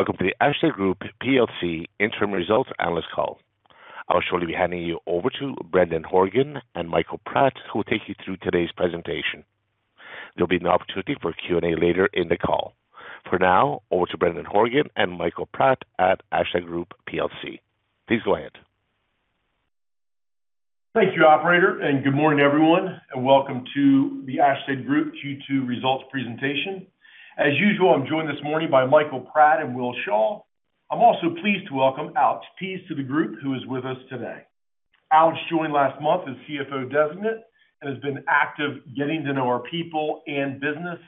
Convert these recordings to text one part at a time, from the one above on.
Hello, and welcome to the Ashtead Group plc interim results analyst call. I'll shortly be handing you over to Brendan Horgan and Michael Pratt, who will take you through today's presentation. There'll be an opportunity for Q&A later in the call. For now, over to Brendan Horgan and Michael Pratt at Ashtead Group plc. Please go ahead. Thank you, Operator, and good morning, everyone, and welcome to the Ashtead Group Q2 results presentation. As usual, I'm joined this morning by Michael Pratt and Will Shaw. I'm also pleased to welcome Alex Pease to the group, who is with us today. Alex joined last month as CFO Designate and has been active getting to know our people and business,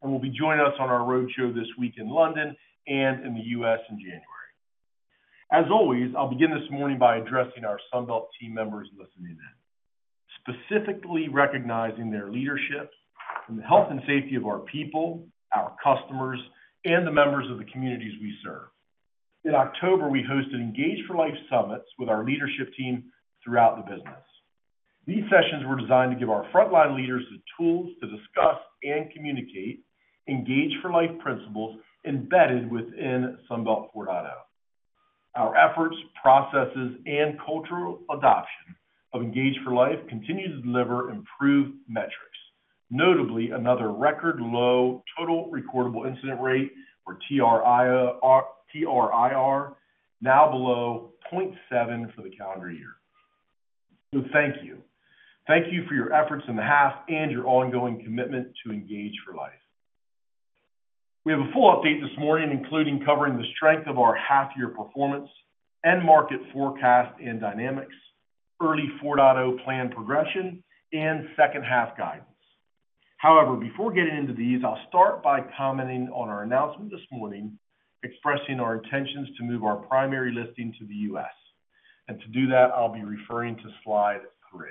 and will be joining us on our roadshow this week in London and in the U.S. in January. As always, I'll begin this morning by addressing our Sunbelt team members listening in, specifically recognizing their leadership and the health and safety of our people, our customers, and the members of the communities we serve. In October, we hosted Engage for Life Summits with our leadership team throughout the business. These sessions were designed to give our frontline leaders the tools to discuss and communicate Engage for Life principles embedded within Sunbelt 4.0. Our efforts, processes, and cultural adoption of Engage for Life continue to deliver improved metrics, notably another record low total recordable incident rate, or TRIR, now below 0.7 for the calendar year. So thank you. Thank you for your efforts in the past and your ongoing commitment to Engage for Life. We have a full update this morning, including covering the strength of our half-year performance and market forecast and dynamics, early 4.0 plan progression, and second-half guidance. However, before getting into these, I'll start by commenting on our announcement this morning, expressing our intentions to move our primary listing to the U.S. And to do that, I'll be referring to slide three.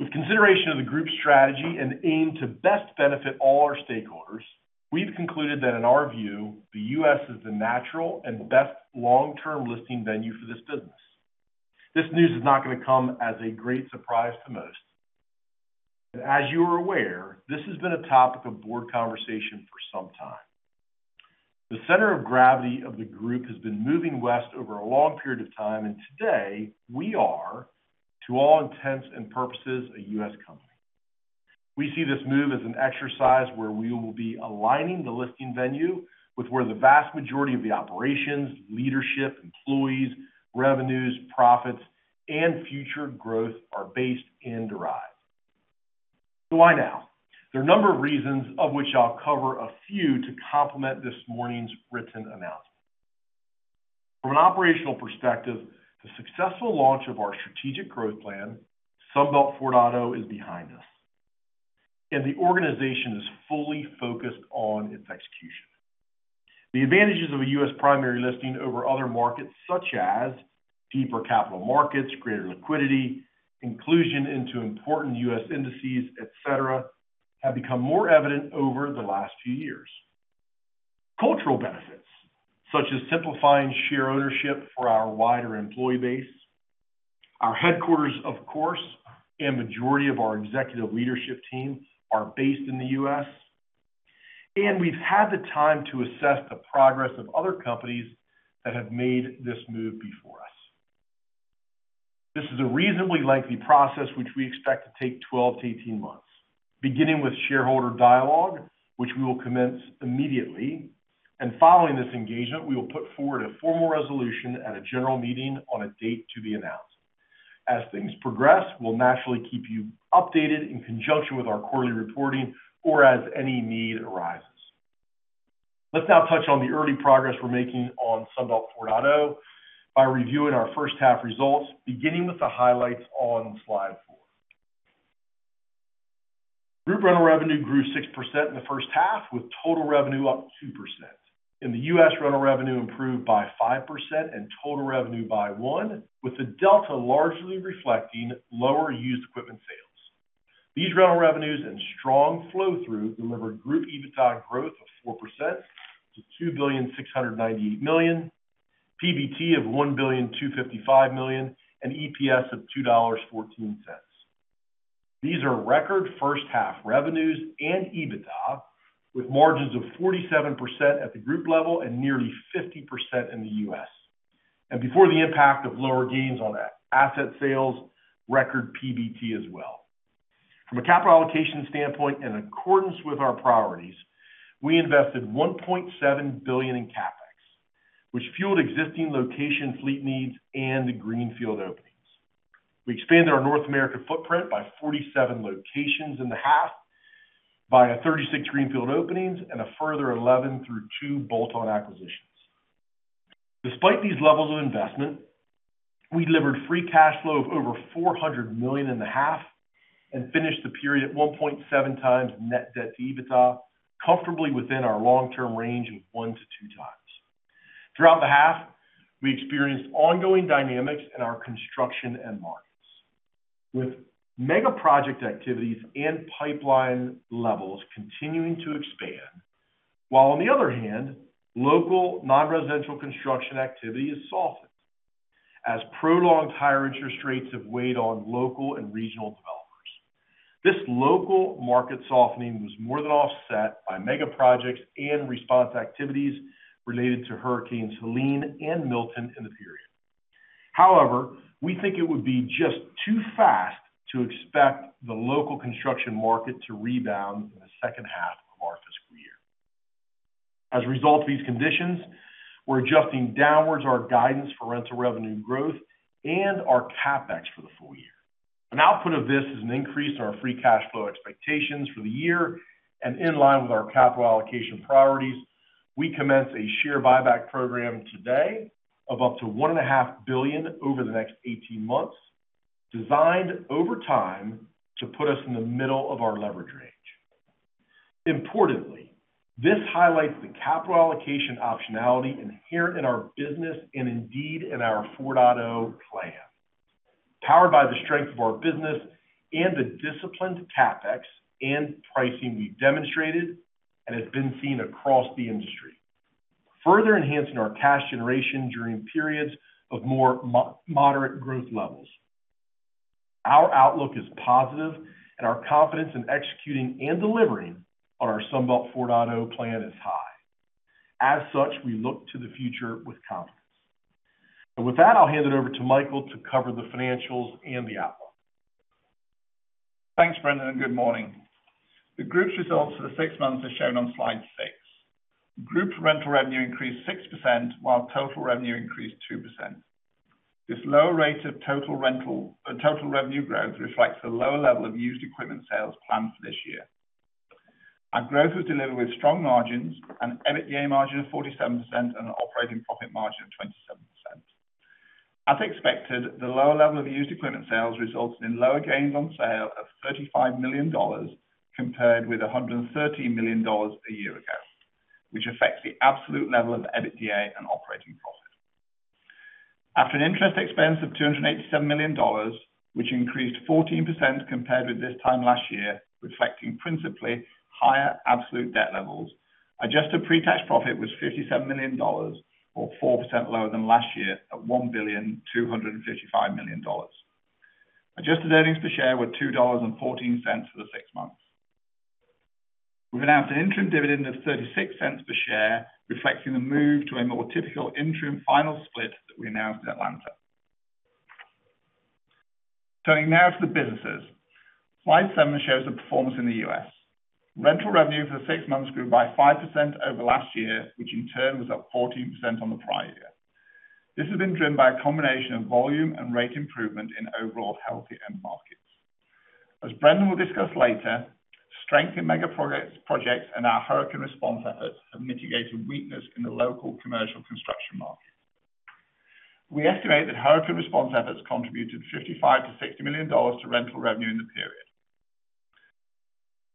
With consideration of the group's strategy and aim to best benefit all our stakeholders, we've concluded that, in our view, the U.S. is the natural and best long-term listing venue for this business. This news is not going to come as a great surprise to most. As you are aware, this has been a topic of board conversation for some time. The center of gravity of the group has been moving west over a long period of time, and today we are, to all intents and purposes, a U.S. company. We see this move as an exercise where we will be aligning the listing venue with where the vast majority of the operations, leadership, employees, revenues, profits, and future growth are based and derived. Why now? There are a number of reasons, of which I'll cover a few to complement this morning's written announcement. From an operational perspective, the successful launch of our strategic growth plan, Sunbelt 4.0, is behind us, and the organization is fully focused on its execution. The advantages of a U.S. primary listing over other markets, such as deeper capital markets, greater liquidity, inclusion into important U.S. indices, etc., have become more evident over the last few years. Cultural benefits, such as simplifying share ownership for our wider employee base, our headquarters, of course, and the majority of our executive leadership team are based in the U.S. We've had the time to assess the progress of other companies that have made this move before us. This is a reasonably lengthy process, which we expect to take 12-18 months, beginning with shareholder dialogue, which we will commence immediately. And following this engagement, we will put forward a formal resolution at a general meeting on a date to be announced. As things progress, we'll naturally keep you updated in conjunction with our quarterly reporting or as any need arises. Let's now touch on the early progress we're making on Sunbelt 4.0 by reviewing our first half results, beginning with the highlights on slide four. Group rental revenue grew 6% in the first half, with total revenue up 2%. In the U.S., rental revenue improved by 5% and total revenue by 1%, with the delta largely reflecting lower used equipment sales. These rental revenues and strong flow-through delivered group EBITDA growth of 4% to $2,698 million, PBT of $1,255 million, and EPS of $2.14. These are record first-half revenues and EBITDA, with margins of 47% at the group level and nearly 50% in the U.S. Before the impact of lower gains on asset sales, record PBT as well. From a capital allocation standpoint, in accordance with our priorities, we invested $1.7 billion in CapEx, which fueled existing location fleet needs and greenfield openings. We expanded our North America footprint by 47 locations in the half, by 36 greenfield openings, and a further 11 through two bolt-on acquisitions. Despite these levels of investment, we delivered free cash flow of over $400 million in the half and finished the period at 1.7x net debt to EBITDA, comfortably within our long-term range of one to 2x. Throughout the half, we experienced ongoing dynamics in our construction and markets, with mega project activities and pipeline levels continuing to expand, while, on the other hand, local non-residential construction activity has softened as prolonged higher interest rates have weighed on local and regional developers. This local market softening was more than offset by mega projects and response activities related to Hurricanes Helene and Milton in the period. However, we think it would be just too fast to expect the local construction market to rebound in the second half of our fiscal year. As a result of these conditions, we're adjusting downwards our guidance for rental revenue growth and our CapEx for the full year. An output of this is an increase in our free cash flow expectations for the year. And in line with our capital allocation priorities, we commence a share buyback program today of up to $1.5 billion over the next 18 months, designed over time to put us in the middle of our leverage range. Importantly, this highlights the capital allocation optionality inherent in our business and indeed in our 4.0 plan. Powered by the strength of our business and the disciplined CapEx and pricing we've demonstrated and has been seen across the industry, further enhancing our cash generation during periods of more moderate growth levels. Our outlook is positive, and our confidence in executing and delivering on our Sunbelt 4.0 plan is high. As such, we look to the future with confidence, and with that, I'll hand it over to Michael to cover the financials and the outlook. Thanks, Brendan, and good morning. The group's results for the six months are shown on slide six. Group rental revenue increased 6%, while total revenue increased 2%. This low rate of total revenue growth reflects the lower level of used equipment sales planned for this year. Our growth was delivered with strong margins, an EBITDA margin of 47%, and an operating profit margin of 27%. As expected, the lower level of used equipment sales resulted in lower gains on sale of $35 million compared with $113 million a year ago, which affects the absolute level of EBITDA and operating profit. After an interest expense of $287 million, which increased 14% compared with this time last year, reflecting principally higher absolute debt levels, adjusted pre-tax profit was $57 million, or 4% lower than last year at $1,255 million. Adjusted earnings per share were $2.14 for the six months. We've announced an interim dividend of $0.36 per share, reflecting the move to a more typical interim final split that we announced at Atlanta. Turning now to the businesses, slide seven shows the performance in the U.S. Rental revenue for the six months grew by 5% over last year, which in turn was up 14% on the prior year. This has been driven by a combination of volume and rate improvement in overall healthy end markets. As Brendan will discuss later, strength in mega projects and our hurricane response efforts have mitigated weakness in the local commercial construction market. We estimate that hurricane response efforts contributed $55 million-$60 million to rental revenue in the period.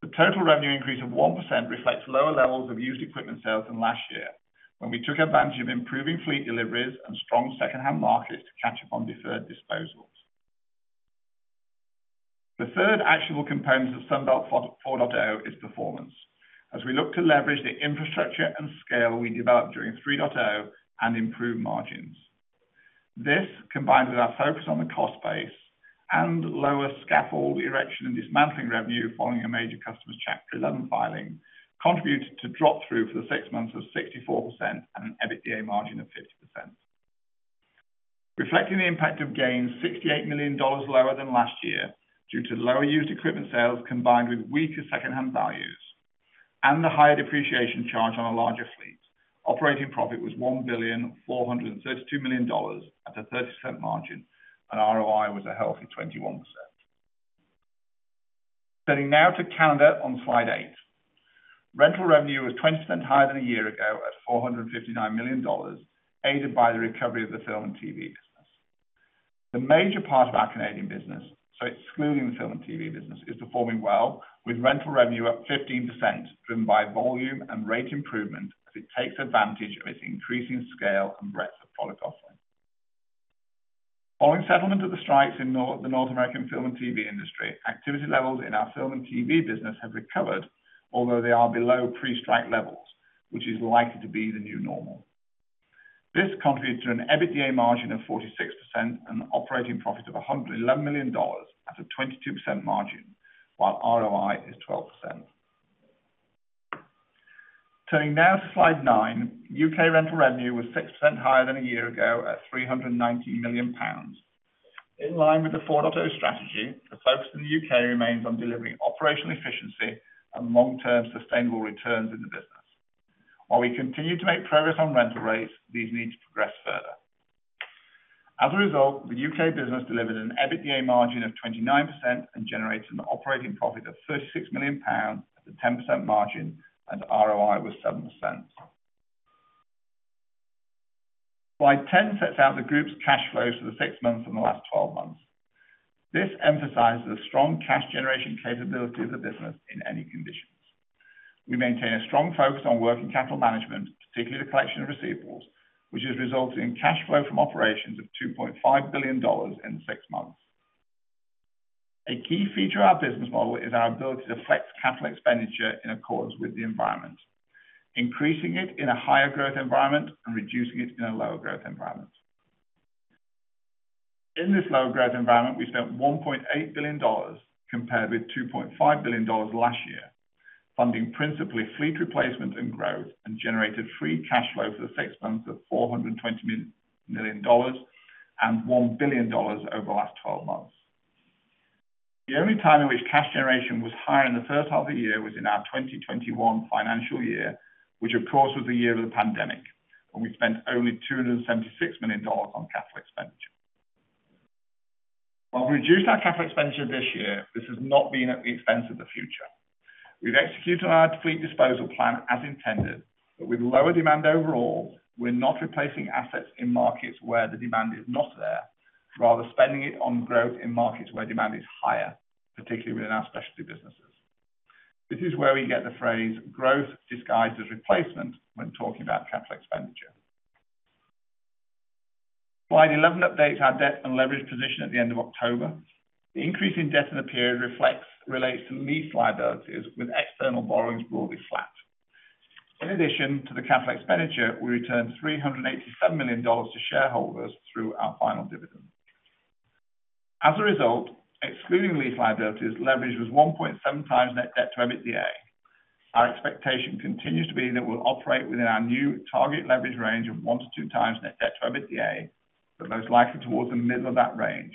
The total revenue increase of 1% reflects lower levels of used equipment sales than last year when we took advantage of improving fleet deliveries and strong second-hand markets to catch up on deferred disposals. The third actionable component of Sunbelt 4.0 is performance. As we look to leverage the infrastructure and scale we developed during 3.0 and improve margins, this, combined with our focus on the cost base and lower scaffold erection and dismantling revenue following a major customer's Chapter 11 filing, contributed to drop-through for the six months of 64% and an EBITDA margin of 50%. Reflecting the impact of gains, $68 million lower than last year due to lower used equipment sales combined with weaker second-hand values and the higher depreciation charge on a larger fleet, operating profit was $1,432 million at a 30% margin, and ROI was a healthy 21%. Turning now to Canada on slide eight, rental revenue was 20% higher than a year ago at $459 million, aided by the recovery of the Film & TV business. The major part of our Canadian business, so excluding the FFlm & TV business, is performing well, with rental revenue up 15%, driven by volume and rate improvement as it takes advantage of its increasing scale and breadth of product offering. Following settlement of the strikes in the North American Film & TV industry, activity levels in our Film & TV business have recovered, although they are below pre-strike levels, which is likely to be the new normal. This contributes to an EBITDA margin of 46% and an operating profit of $111 million at a 22% margin, while ROI is 12%. Turning now to slide nine, U.K. rental revenue was 6% higher than a year ago at 319 million pounds. In line with the 4.0 strategy, the focus in the U.K. remains on delivering operational efficiency and long-term sustainable returns in the business. While we continue to make progress on rental rates, these need to progress further. As a result, the U.K. business delivered an EBITDA margin of 29% and generated an operating profit of 36 million pounds at a 10% margin, and ROI was 7%. Slide 10 sets out the group's cash flows for the six months and the last 12 months. This emphasizes the strong cash generation capability of the business in any conditions. We maintain a strong focus on working capital management, particularly the collection of receivables, which has resulted in cash flow from operations of $2.5 billion in the six months. A key feature of our business model is our ability to flex capital expenditure in accordance with the environment, increasing it in a higher growth environment and reducing it in a lower growth environment. In this lower growth environment, we spent $1.8 billion compared with $2.5 billion last year, funding principally fleet replacement and growth, and generated free cash flow for the six months of $420 million and $1 billion over the last 12 months. The only time in which cash generation was higher in the first half of the year was in our 2021 financial year, which, of course, was the year of the pandemic, when we spent only $276 million on capital expenditure. While we reduced our capital expenditure this year, this has not been at the expense of the future. We've executed on our fleet disposal plan as intended, but with lower demand overall, we're not replacing assets in markets where the demand is not there, rather spending it on growth in markets where demand is higher, particularly within our Specialty businesses. This is where we get the phrase "growth disguised as replacement" when talking about capital expenditure. Slide 11 updates our debt and leverage position at the end of October. The increase in debt in the period relates to lease liabilities, with external borrowings broadly flat. In addition to the capital expenditure, we returned $387 million to shareholders through our final dividend. As a result, excluding lease liabilities, leverage was 1.7x net debt to EBITDA. Our expectation continues to be that we'll operate within our new target leverage range of one to 2x net debt to EBITDA, but most likely towards the middle of that range.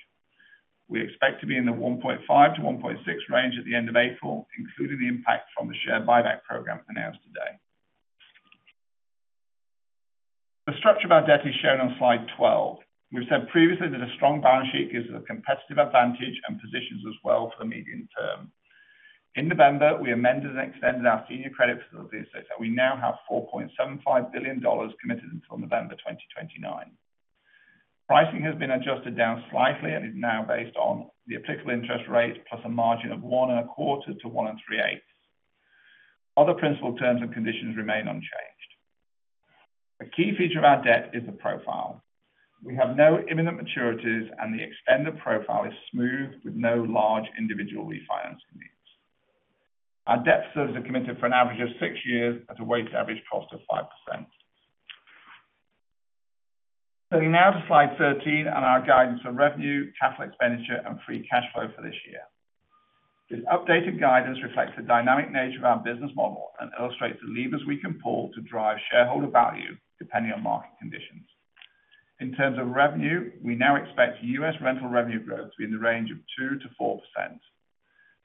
We expect to be in the 1.5 to 1.6 range at the end of April, including the impact from the share buyback program announced today. The structure of our debt is shown on slide 12. We've said previously that a strong balance sheet gives us a competitive advantage and positions us well for the medium term. In November, we amended and extended our senior credit facility so that we now have $4.75 billion committed until November 2029. Pricing has been adjusted down slightly and is now based on the applicable interest rate plus a margin of 1.25-1.38. Other principal terms and conditions remain unchanged. A key feature of our debt is the profile. We have no imminent maturities, and the extended profile is smooth with no large individual refinancing needs. Our debt service is committed for an average of six years at a weighted average cost of 5%. Turning now to slide 13 and our guidance for revenue, capital expenditure, and free cash flow for this year. This updated guidance reflects the dynamic nature of our business model and illustrates the levers we can pull to drive shareholder value depending on market conditions. In terms of revenue, we now expect U.S. rental revenue growth to be in the range of 2%-4%.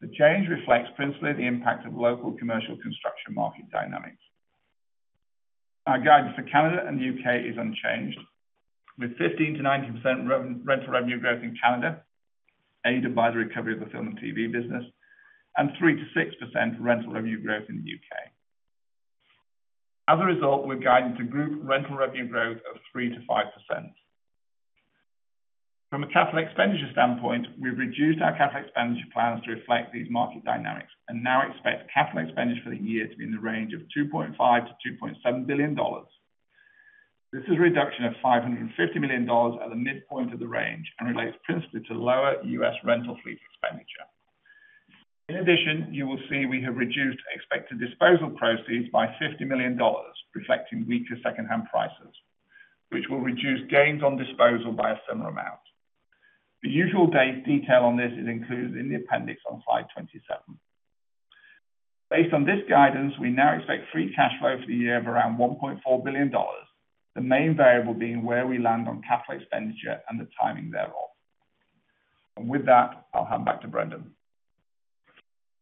The change reflects principally the impact of local commercial construction market dynamics. Our guidance for Canada and the U.K. is unchanged, with 15%-90% rental revenue growth in Canada, aided by the recovery of the Film & TV business, and 3%-6% rental revenue growth in the U.K. As a result, we've guided to group rental revenue growth of 3%-5%. From a capital expenditure standpoint, we've reduced our capital expenditure plans to reflect these market dynamics and now expect capital expenditure for the year to be in the range of $2.5-$2.7 billion. This is a reduction of $550 million at the midpoint of the range and relates principally to lower US rental fleet expenditure. In addition, you will see we have reduced expected disposal proceeds by $50 million, reflecting weaker second-hand prices, which will reduce gains on disposal by a similar amount. The usual detail on this is included in the appendix on slide 27. Based on this guidance, we now expect free cash flow for the year of around $1.4 billion, the main variable being where we land on capital expenditure and the timing thereof, and with that, I'll hand back to Brendan.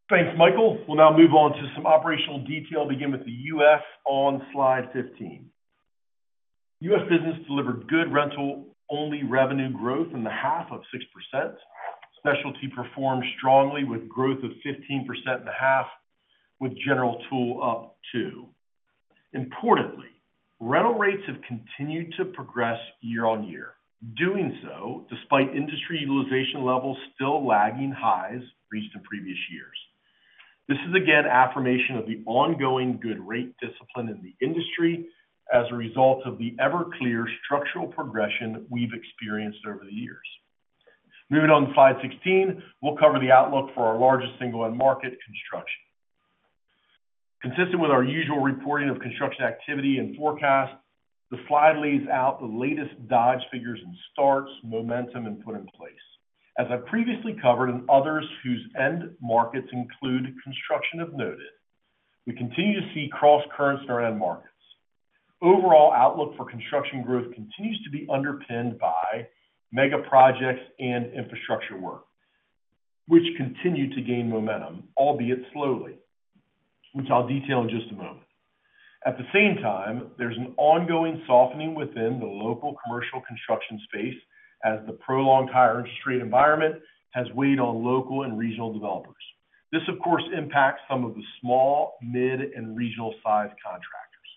Thanks, Michael. We'll now move on to some operational detail. Begin with the U.S. on slide 15. U.S. business delivered good rental-only revenue growth in the half of 6%. Specialty performed strongly with growth of 15% in the half, with General Tool up too. Importantly, rental rates have continued to progress year on year, doing so despite industry utilization levels still lagging highs reached in previous years. This is again affirmation of the ongoing good rate discipline in the industry as a result of the ever-clear structural progression we've experienced over the years. Moving on to slide 16, we'll cover the outlook for our largest single-end market, construction. Consistent with our usual reporting of construction activity and forecast, the slide lays out the latest Dodge figures and starts, momentum, and put in place. As I previously covered in others whose end markets include construction, as noted, we continue to see cross currents in our end markets. Overall outlook for construction growth continues to be underpinned by mega projects and infrastructure work, which continue to gain momentum, albeit slowly, which I'll detail in just a moment. At the same time, there's an ongoing softening within the local commercial construction space as the prolonged higher interest rate environment has weighed on local and regional developers. This, of course, impacts some of the small, mid, and regional-sized contractors.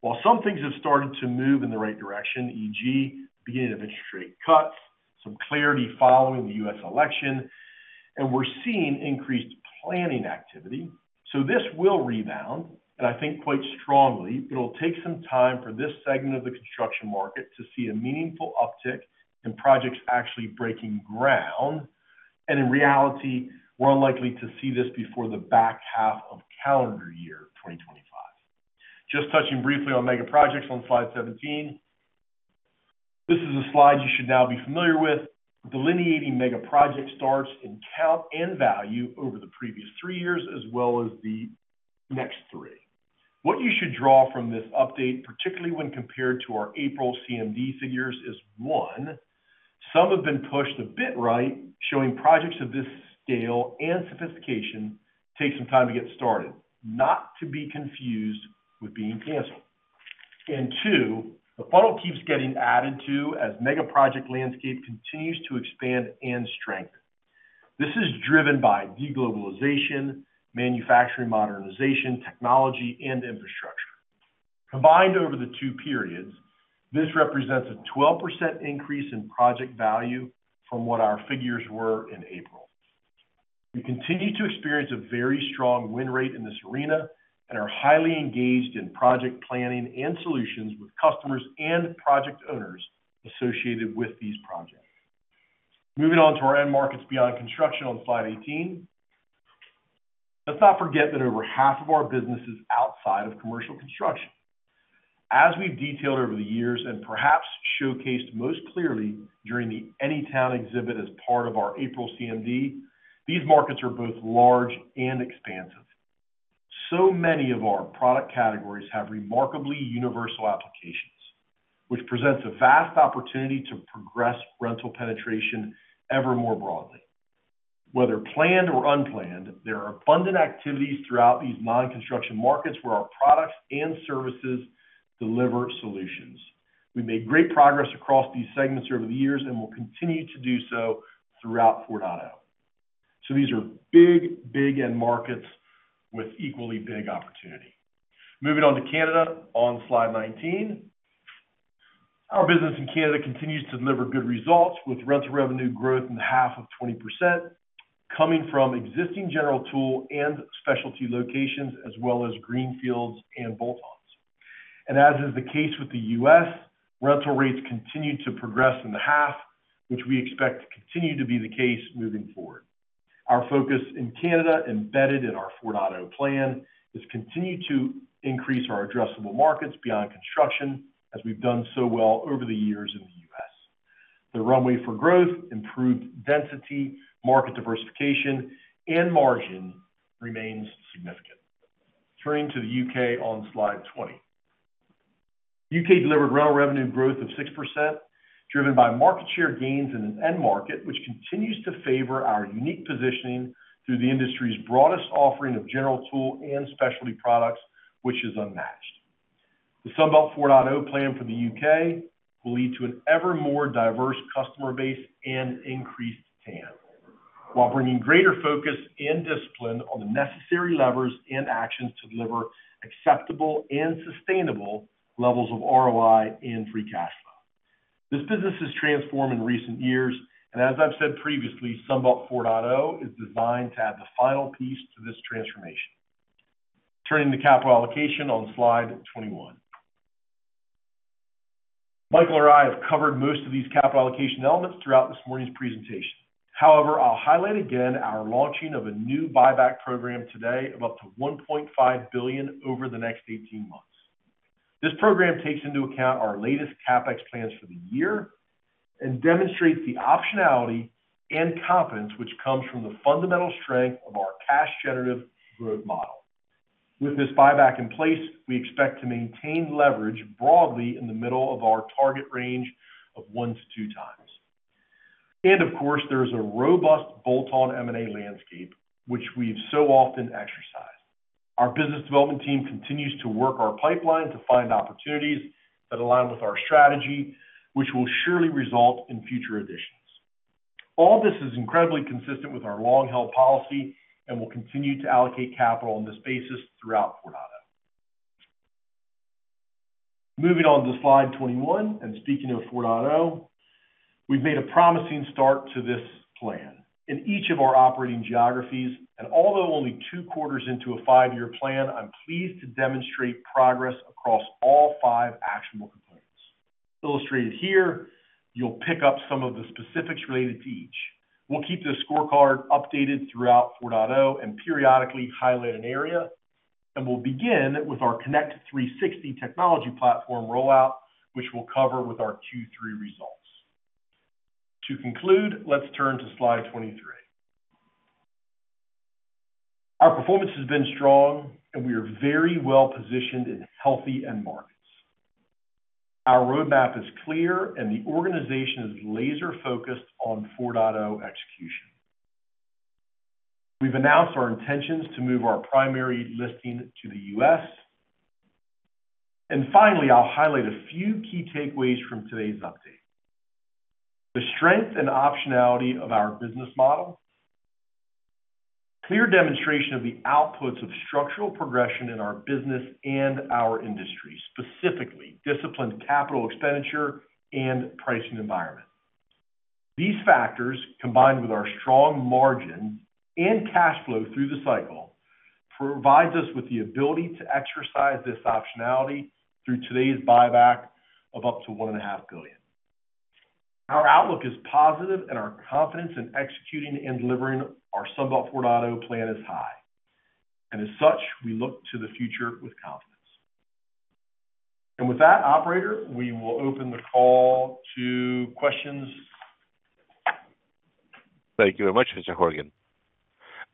While some things have started to move in the right direction, e.g., beginning of interest rate cuts, some clarity following the U.S. election, and we're seeing increased planning activity, so this will rebound, and I think quite strongly. But it'll take some time for this segment of the construction market to see a meaningful uptick in projects actually breaking ground. And in reality, we're unlikely to see this before the back half of calendar year 2025. Just touching briefly on Mega Projects on slide 17, this is a slide you should now be familiar with, delineating Mega Project starts in count and value over the previous three years as well as the next three. What you should draw from this update, particularly when compared to our April CMD figures, is one, some have been pushed a bit right, showing projects of this scale and sophistication take some time to get started, not to be confused with being canceled. And two, the funnel keeps getting added to as Mega Project landscape continues to expand and strengthen. This is driven by deglobalization, manufacturing modernization, technology, and infrastructure. Combined over the two periods, this represents a 12% increase in project value from what our figures were in April. We continue to experience a very strong win rate in this arena and are highly engaged in project planning and solutions with customers and project owners associated with these projects. Moving on to our end markets beyond construction on slide 18, let's not forget that over half of our business is outside of commercial construction. As we've detailed over the years and perhaps showcased most clearly during the AnyTown exhibit as part of our April CMD, these markets are both large and expansive. So many of our product categories have remarkably universal applications, which presents a vast opportunity to progress rental penetration ever more broadly. Whether planned or unplanned, there are abundant activities throughout these non-construction markets where our products and services deliver solutions. We've made great progress across these segments over the years and will continue to do so throughout Sunbelt 4.0. So these are big, big end markets with equally big opportunity. Moving on to Canada on slide 19, our business in Canada continues to deliver good results with rental revenue growth in the half of 20% coming from existing General Tool and Specialty locations as well as greenfields and bolt-ons. And as is the case with the U.S., rental rates continue to progress in the half, which we expect to continue to be the case moving forward. Our focus in Canada, embedded in our Sunbelt 4.0 plan, is continued to increase our addressable markets beyond construction as we've done so well over the years in the U.S. The runway for growth, improved density, market diversification, and margin remains significant. Turning to the U.K. on slide 20, U.K. delivered rental revenue growth of 6%, driven by market share gains in an end market, which continues to favor our unique positioning through the industry's broadest offering of General Tool and Specialty products, which is unmatched. The Sunbelt 4.0 plan for the U.K. will lead to an ever more diverse customer base and increased TAM, while bringing greater focus and discipline on the necessary levers and actions to deliver acceptable and sustainable levels of ROI and free cash flow. This business has transformed in recent years, and as I've said previously, Sunbelt 4.0 is designed to add the final piece to this transformation. Turning to capital allocation on slide 21, Michael or I have covered most of these capital allocation elements throughout this morning's presentation. However, I'll highlight again our launching of a new buyback program today of up to $1.5 billion over the next 18 months. This program takes into account our latest CapEx plans for the year and demonstrates the optionality and confidence which comes from the fundamental strength of our cash-generative growth model. With this buyback in place, we expect to maintain leverage broadly in the middle of our target range of one to two times. And of course, there is a robust bolt-on M&A landscape, which we've so often exercised. Our business development team continues to work our pipeline to find opportunities that align with our strategy, which will surely result in future additions. All this is incredibly consistent with our long-held policy and will continue to allocate capital on this basis throughout Sunbelt 4.0. Moving on to slide 21, and speaking of Sunbelt 4.0, we've made a promising start to this plan. In each of our operating geographies, and although only two quarters into a five-year plan, I'm pleased to demonstrate progress across all five actionable components. Illustrated here, you'll pick up some of the specifics related to each. We'll keep the scorecard updated throughout Sunbelt 4.0 and periodically highlight an area, and we'll begin with our Connect360 technology platform rollout, which we'll cover with our Q3 results. To conclude, let's turn to slide 23. Our performance has been strong, and we are very well positioned in healthy end markets. Our roadmap is clear, and the organization is laser-focused on Sunbelt 4.0 execution. We've announced our intentions to move our primary listing to the U.S. And finally, I'll highlight a few key takeaways from today's update. The strength and optionality of our business model, clear demonstration of the outputs of structural progression in our business and our industry, specifically disciplined capital expenditure and pricing environment. These factors, combined with our strong margin and cash flow through the cycle, provide us with the ability to exercise this optionality through today's buyback of up to $1.5 billion. Our outlook is positive, and our confidence in executing and delivering our Sunbelt 4.0 plan is high, and as such, we look to the future with confidence, and with that, operator, we will open the call to questions. Thank you very much, Mr. Horgan.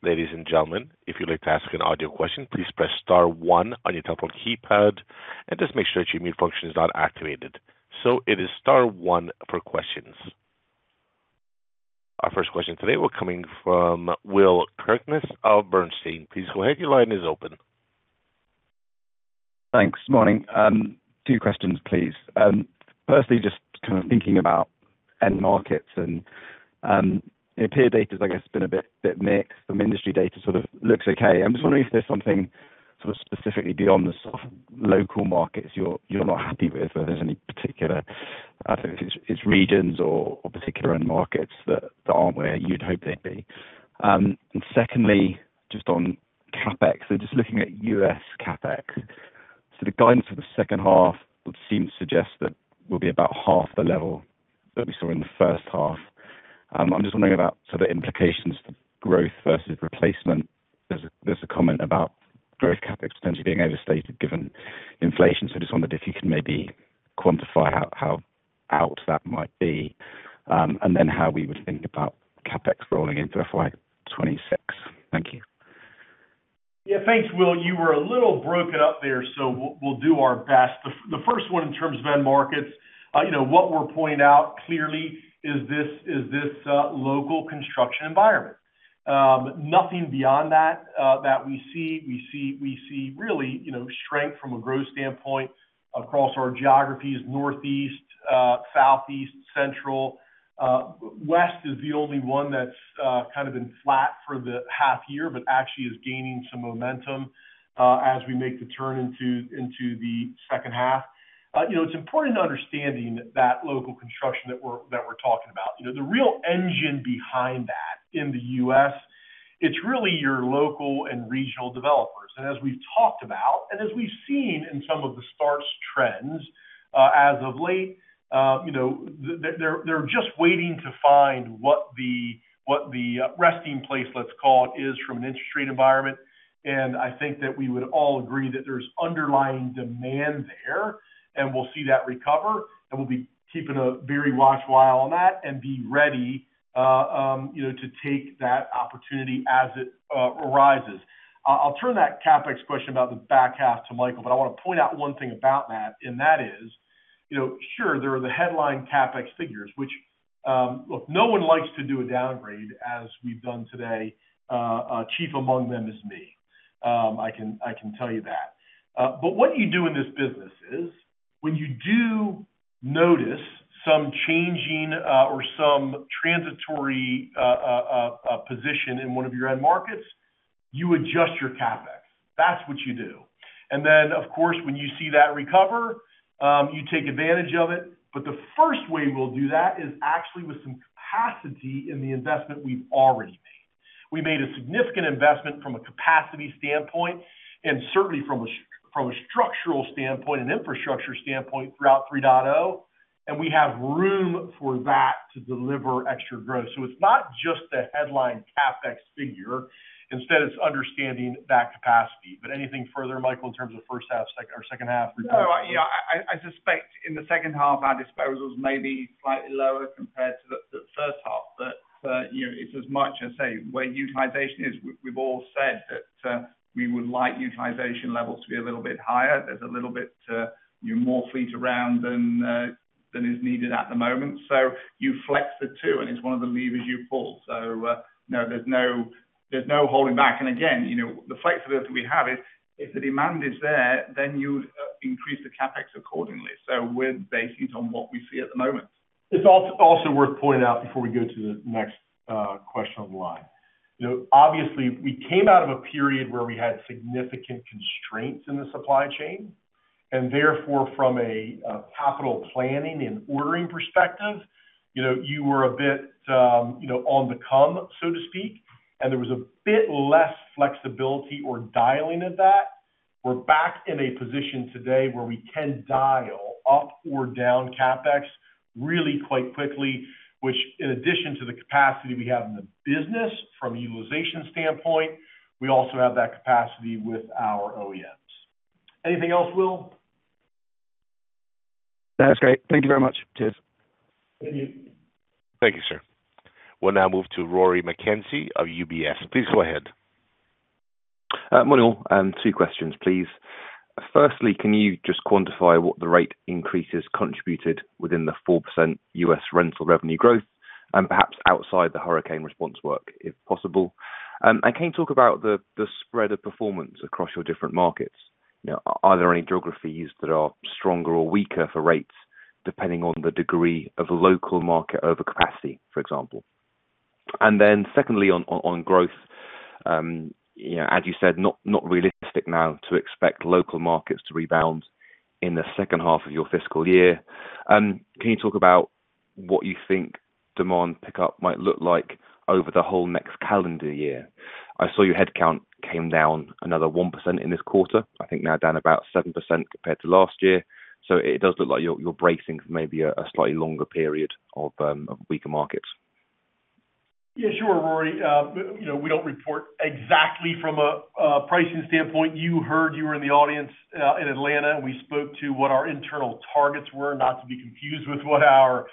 Ladies and gentlemen, if you'd like to ask an audio question, please press star one on your telephone keypad and just make sure that your mute function is not activated. So it is star one for questions. Our first question today will come in from Will Kirkness of Bernstein. Please go ahead. Your line is open. Thanks. Morning. Two questions, please. Firstly, just kind of thinking about end markets, and it appeared data's, I guess, been a bit mixed. Some industry data sort of looks okay. I'm just wondering if there's something sort of specifically beyond the local markets you're not happy with, whether there's any particular, I think it's regions or particular end markets that aren't where you'd hope they'd be. And secondly, just on CapEx, so just looking at U.S. CapEx, so the guidance for the second half would seem to suggest that we'll be about half the level that we saw in the first half. I'm just wondering about sort of implications for growth versus replacement. There's a comment about growth CapEx potentially being overstated given inflation, so I just wondered if you can maybe quantify how out that might be and then how we would think about CapEx rolling into FY 2026. Thank you. Yeah, thanks, Will. You were a little broken up there, so we'll do our best. The first one in terms of end markets, what we're pointing out clearly is this local construction environment. Nothing beyond that that we see. We see really strength from a growth standpoint across our geographies: northeast, southeast, central. West is the only one that's kind of been flat for the half year, but actually is gaining some momentum as we make the turn into the second half. It's important in understanding that local construction that we're talking about. The real engine behind that in the U.S., it's really your local and regional developers. And as we've talked about and as we've seen in some of the starts trends as of late, they're just waiting to find what the resting place, let's call it, is from an interest rate environment. And I think that we would all agree that there's underlying demand there, and we'll see that recover. And we'll be keeping a very watchful eye on that and be ready to take that opportunity as it arises. I'll turn that CapEx question about the back half to Michael, but I want to point out one thing about that, and that is, sure, there are the headline CapEx figures, which, look, no one likes to do a downgrade, as we've done today. Chief among them is me. I can tell you that. But what you do in this business is, when you do notice some changing or some transitory position in one of your end markets, you adjust your CapEx. That's what you do. And then, of course, when you see that recover, you take advantage of it. But the first way we'll do that is actually with some capacity in the investment we've already made. We made a significant investment from a capacity standpoint and certainly from a structural standpoint and infrastructure standpoint throughout 3.0, and we have room for that to deliver extra growth. So it's not just the headline CapEx figure. Instead, it's understanding that capacity. But anything further, Michael, in terms of first half or second half? Yeah, I suspect in the second half, our disposals may be slightly lower compared to the first half. But it's as much as, say, where utilization is. We've all said that we would like utilization levels to be a little bit higher. There's a little bit more fleet around than is needed at the moment. So you flex the two, and it's one of the levers you pull. So no, there's no holding back. And again, the flexibility we have is, if the demand is there, then you increase the CapEx accordingly. So we're basing it on what we see at the moment. It's also worth pointing out before we go to the next question on the line. Obviously, we came out of a period where we had significant constraints in the supply chain, and therefore, from a capital planning and ordering perspective, you were a bit on the come, so to speak, and there was a bit less flexibility or dialing of that. We're back in a position today where we can dial up or down CapEx really quite quickly, which, in addition to the capacity we have in the business from a utilization standpoint, we also have that capacity with our OEMs. Anything else, Will? That's great. Thank you very much. Cheers. Thank you. Thank you, sir. We'll now move to Rory Mckenzie of UBS. Please go ahead. Morning. Two questions, please. Firstly, can you just quantify what the rate increase has contributed within the 4% U.S. rental revenue growth and perhaps outside the hurricane response work, if possible, and can you talk about the spread of performance across your different markets? Are there any geographies that are stronger or weaker for rates depending on the degree of local market overcapacity, for example, and then secondly, on growth, as you said, not realistic now to expect local markets to rebound in the second half of your fiscal year. Can you talk about what you think demand pickup might look like over the whole next calendar year? I saw your headcount came down another 1% in this quarter. I think now down about 7% compared to last year, so it does look like you're bracing for maybe a slightly longer period of weaker markets. Yeah, sure, Rory. We don't report exactly from a pricing standpoint. You heard you were in the audience in Atlanta, and we spoke to what our internal targets were, not to be confused with what our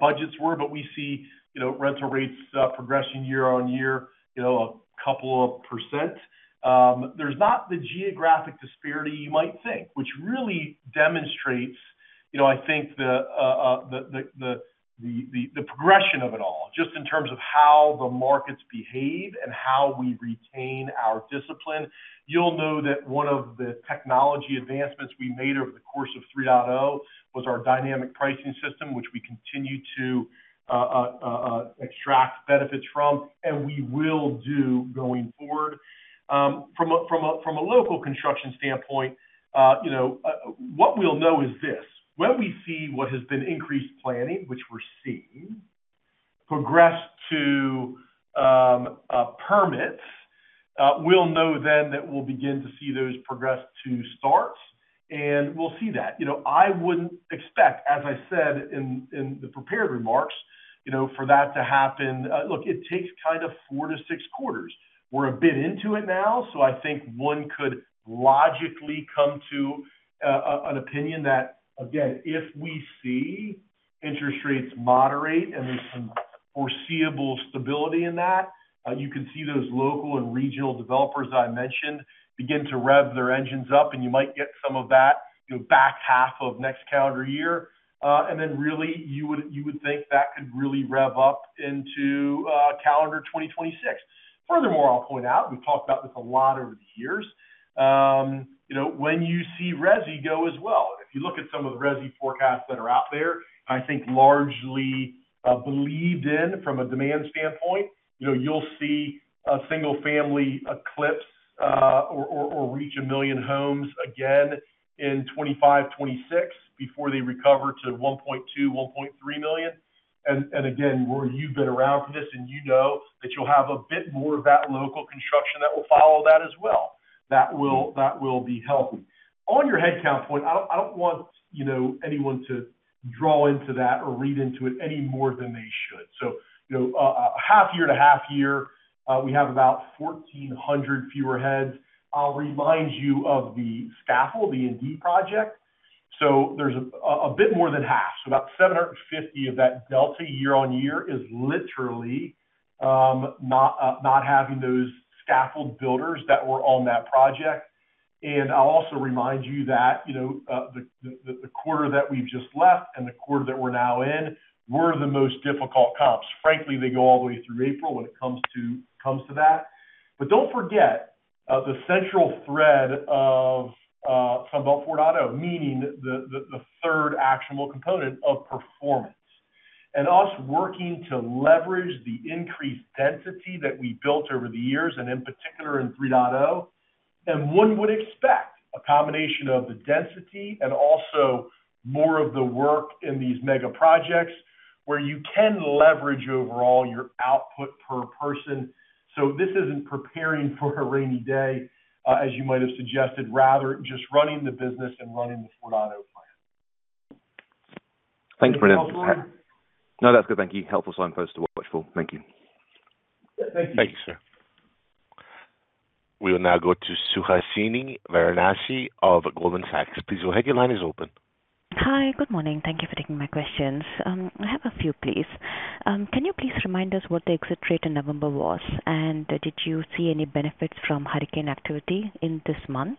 budgets were, but we see rental rates progressing year on year a couple of %. There's not the geographic disparity you might think, which really demonstrates, I think, the progression of it all, just in terms of how the markets behave and how we retain our discipline. You'll know that one of the technology advancements we made over the course of 3.0 was our dynamic pricing system, which we continue to extract benefits from and we will do going forward. From a local construction standpoint, what we'll know is this: when we see what has been increased planning, which we're seeing, progress to permits, we'll know then that we'll begin to see those progress to starts, and we'll see that. I wouldn't expect, as I said in the prepared remarks, for that to happen. Look, it takes kind of four to six quarters. We're a bit into it now, so I think one could logically come to an opinion that, again, if we see interest rates moderate and there's some foreseeable stability in that, you can see those local and regional developers that I mentioned begin to rev their engines up, and you might get some of that back half of next calendar year, and then really, you would think that could really rev up into calendar 2026. Furthermore, I'll point out, we've talked about this a lot over the years, when you see Resi go as well. If you look at some of the Resi forecasts that are out there, I think largely believed in from a demand standpoint, you'll see a single-family eclipse or reach a million homes again in 2025, 2026 before they recover to 1.2 million, 1.3 million. And again, where you've been around for this and you know that you'll have a bit more of that local construction that will follow that as well, that will be healthy. On your headcount point, I don't want anyone to draw into that or read into it any more than they should. So a half year to half year, we have about 1,400 fewer heads. I'll remind you of the scaffold, the LNG project. There's a bit more than half, so about 750 of that delta year on year is literally not having those scaffold builders that were on that project. I'll also remind you that the quarter that we've just left and the quarter that we're now in were the most difficult comps. Frankly, they go all the way through April when it comes to that. Don't forget the central thread of Sunbelt 4.0, meaning the third actionable component of performance. Us working to leverage the increased density that we built over the years, and in particular in 3.0, and one would expect a combination of the density and also more of the work in these mega projects where you can leverage overall your output per person. So this isn't preparing for a rainy day, as you might have suggested, rather just running the business and running the 4.0 plan. Thank you for that. Helpful sign. No, that's good. Thank you. Helpful signpost to watch for. Thank you. Yeah, thank you. Thank you, sir. We will now go to Suhasini Varanasi of Goldman Sachs. Please go ahead. Your line is open. Hi, good morning. Thank you for taking my questions. I have a few, please. Can you please remind us what the exit rate in November was, and did you see any benefits from hurricane activity in this month?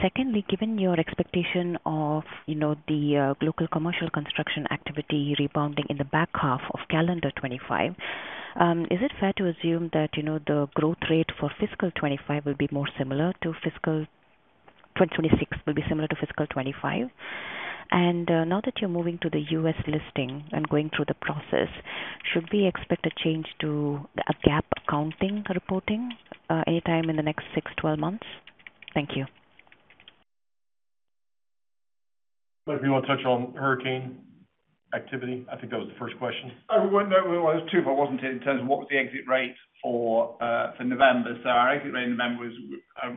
Secondly, given your expectation of the local commercial construction activity rebounding in the back half of calendar 2025, is it fair to assume that the growth rate for fiscal 2025 will be more similar to fiscal 2026, will be similar to fiscal 2025? And now that you're moving to the U.S. listing and going through the process, should we expect a change to GAAP accounting reporting anytime in the next six to 12 months? Thank you. Michael, do you want to touch on hurricane activity? I think that was the first question. I was going to ask too, but I wasn't in terms of what was the exit rate for November. So our exit rate in November was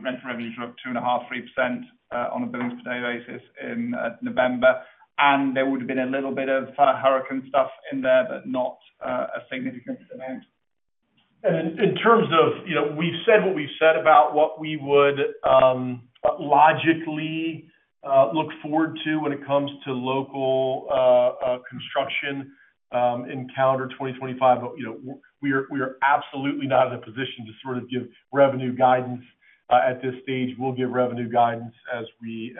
rental revenues were up 2.5%-3% on a billing per day basis in November. And there would have been a little bit of hurricane stuff in there, but not a significant amount. In terms of we've said what we've said about what we would logically look forward to when it comes to local construction in calendar 2025, but we are absolutely not in a position to sort of give revenue guidance at this stage. We'll give revenue guidance as we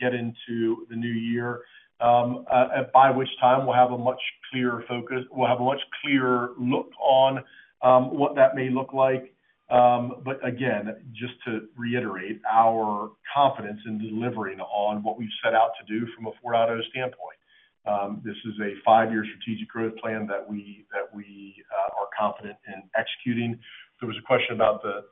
get into the new year, by which time we'll have a much clearer focus. We'll have a much clearer look on what that may look like. But again, just to reiterate our confidence in delivering on what we've set out to do from a 4.0 standpoint. This is a five-year strategic growth plan that we are confident in executing. There was a question about the.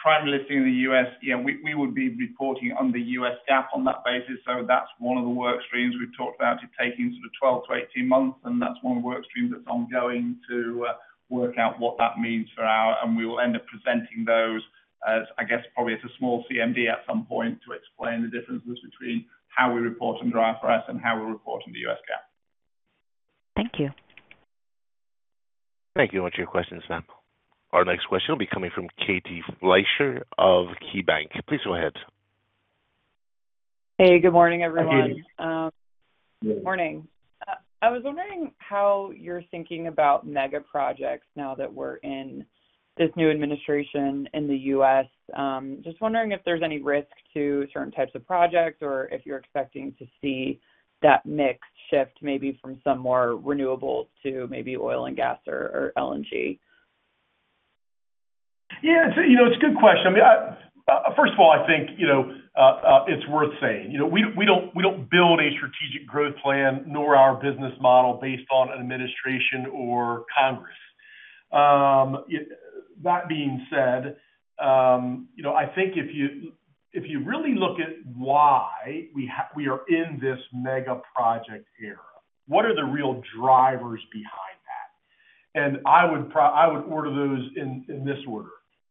Primarily in the U.S. Yeah, we would be reporting on the U.S. GAAP on that basis. So that's one of the work streams we've talked about. It's taking sort of 12 to 18 months, and that's one work stream that's ongoing to work out what that means for us and we will end up presenting those, I guess, probably as a small CMD at some point to explain the differences between how we report under IFRS and how we're reporting the U.S. GAAP. Thank you. Thank you so much for your questions, ma'am. Our next question will be coming from Katie Fleischer of KeyBanc. Please go ahead. Hey, good morning, everyone. Good morning. Good morning. I was wondering how you're thinking about mega projects now that we're in this new administration in the U.S. Just wondering if there's any risk to certain types of projects or if you're expecting to see that mix shift maybe from some more renewables to maybe oil and gas or LNG? Yeah, it's a good question. I mean, first of all, I think it's worth saying. We don't build a strategic growth plan nor our business model based on an administration or Congress. That being said, I think if you really look at why we are in this mega project era, what are the real drivers behind that? And I would order those in this order: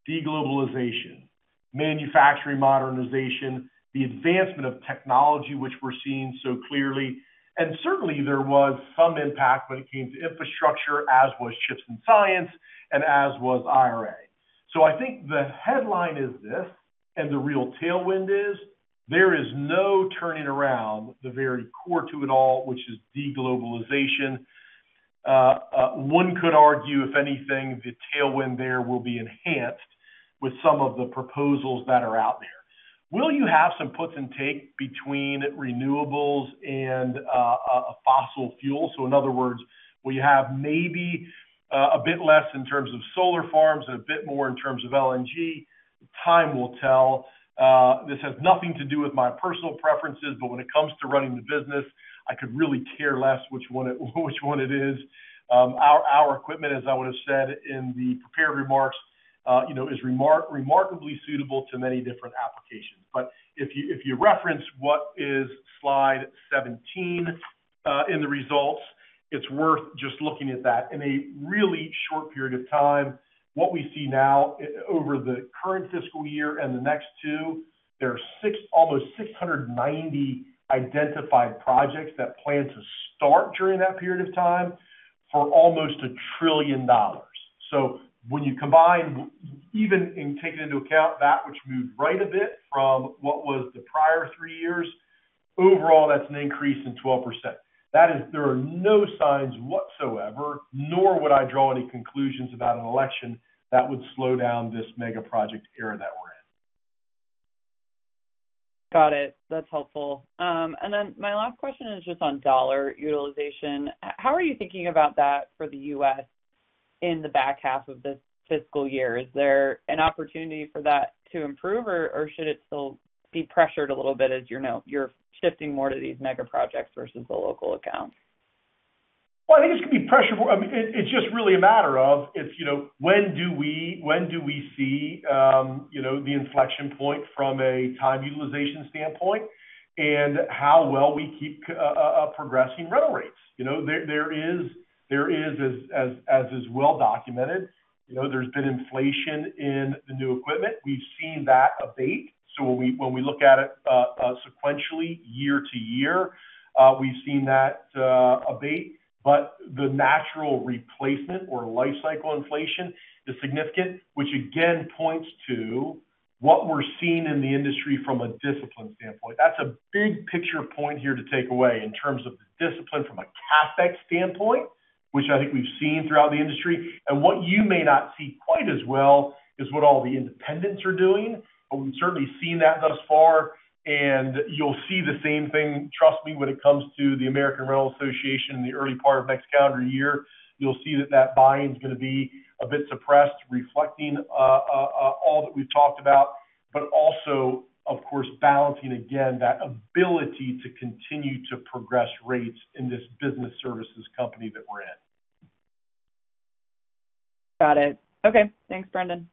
deglobalization, manufacturing modernization, the advancement of technology, which we're seeing so clearly. And certainly, there was some impact when it came to infrastructure, as was CHIPS and Science, and as was IRA. So I think the headline is this, and the real tailwind is there is no turning around the very core to it all, which is deglobalization. One could argue, if anything, the tailwind there will be enhanced with some of the proposals that are out there. Will you have some puts and takes between renewables and fossil fuels? So in other words, will you have maybe a bit less in terms of solar farms and a bit more in terms of LNG? Time will tell. This has nothing to do with my personal preferences, but when it comes to running the business, I could really care less which one it is. Our equipment, as I would have said in the prepared remarks, is remarkably suitable to many different applications. But if you reference what is slide 17 in the results, it's worth just looking at that. In a really short period of time, what we see now over the current fiscal year and the next two, there are almost 690 identified projects that plan to start during that period of time for almost $1 trillion. So when you combine, even taking into account that which moved right a bit from what was the prior three years, overall, that's an increase in 12%. There are no signs whatsoever, nor would I draw any conclusions about an election that would slow down this mega project era that we're in. Got it. That's helpful. And then my last question is just on dollar utilization. How are you thinking about that for the U.S. in the back half of the fiscal year? Is there an opportunity for that to improve, or should it still be pressured a little bit as you're shifting more to these mega projects versus the local accounts? Well, I think it's going to be pressured. I mean, it's just really a matter of when do we see the inflection point from a time utilization standpoint and how well we keep progressing rental rates. There is, as is well documented, there's been inflation in the new equipment. We've seen that abate. So when we look at it sequentially year to year, we've seen that abate. But the natural replacement or lifecycle inflation is significant, which again points to what we're seeing in the industry from a discipline standpoint. That's a big picture point here to take away in terms of the discipline from a CapEx standpoint, which I think we've seen throughout the industry. And what you may not see quite as well is what all the independents are doing, but we've certainly seen that thus far. And you'll see the same thing, trust me, when it comes to the American Rental Association in the early part of next calendar year. You'll see that buying is going to be a bit suppressed, reflecting all that we've talked about, but also, of course, balancing again that ability to continue to progress rates in this business services company that we're in. Got it. Okay. Thanks, Brendan.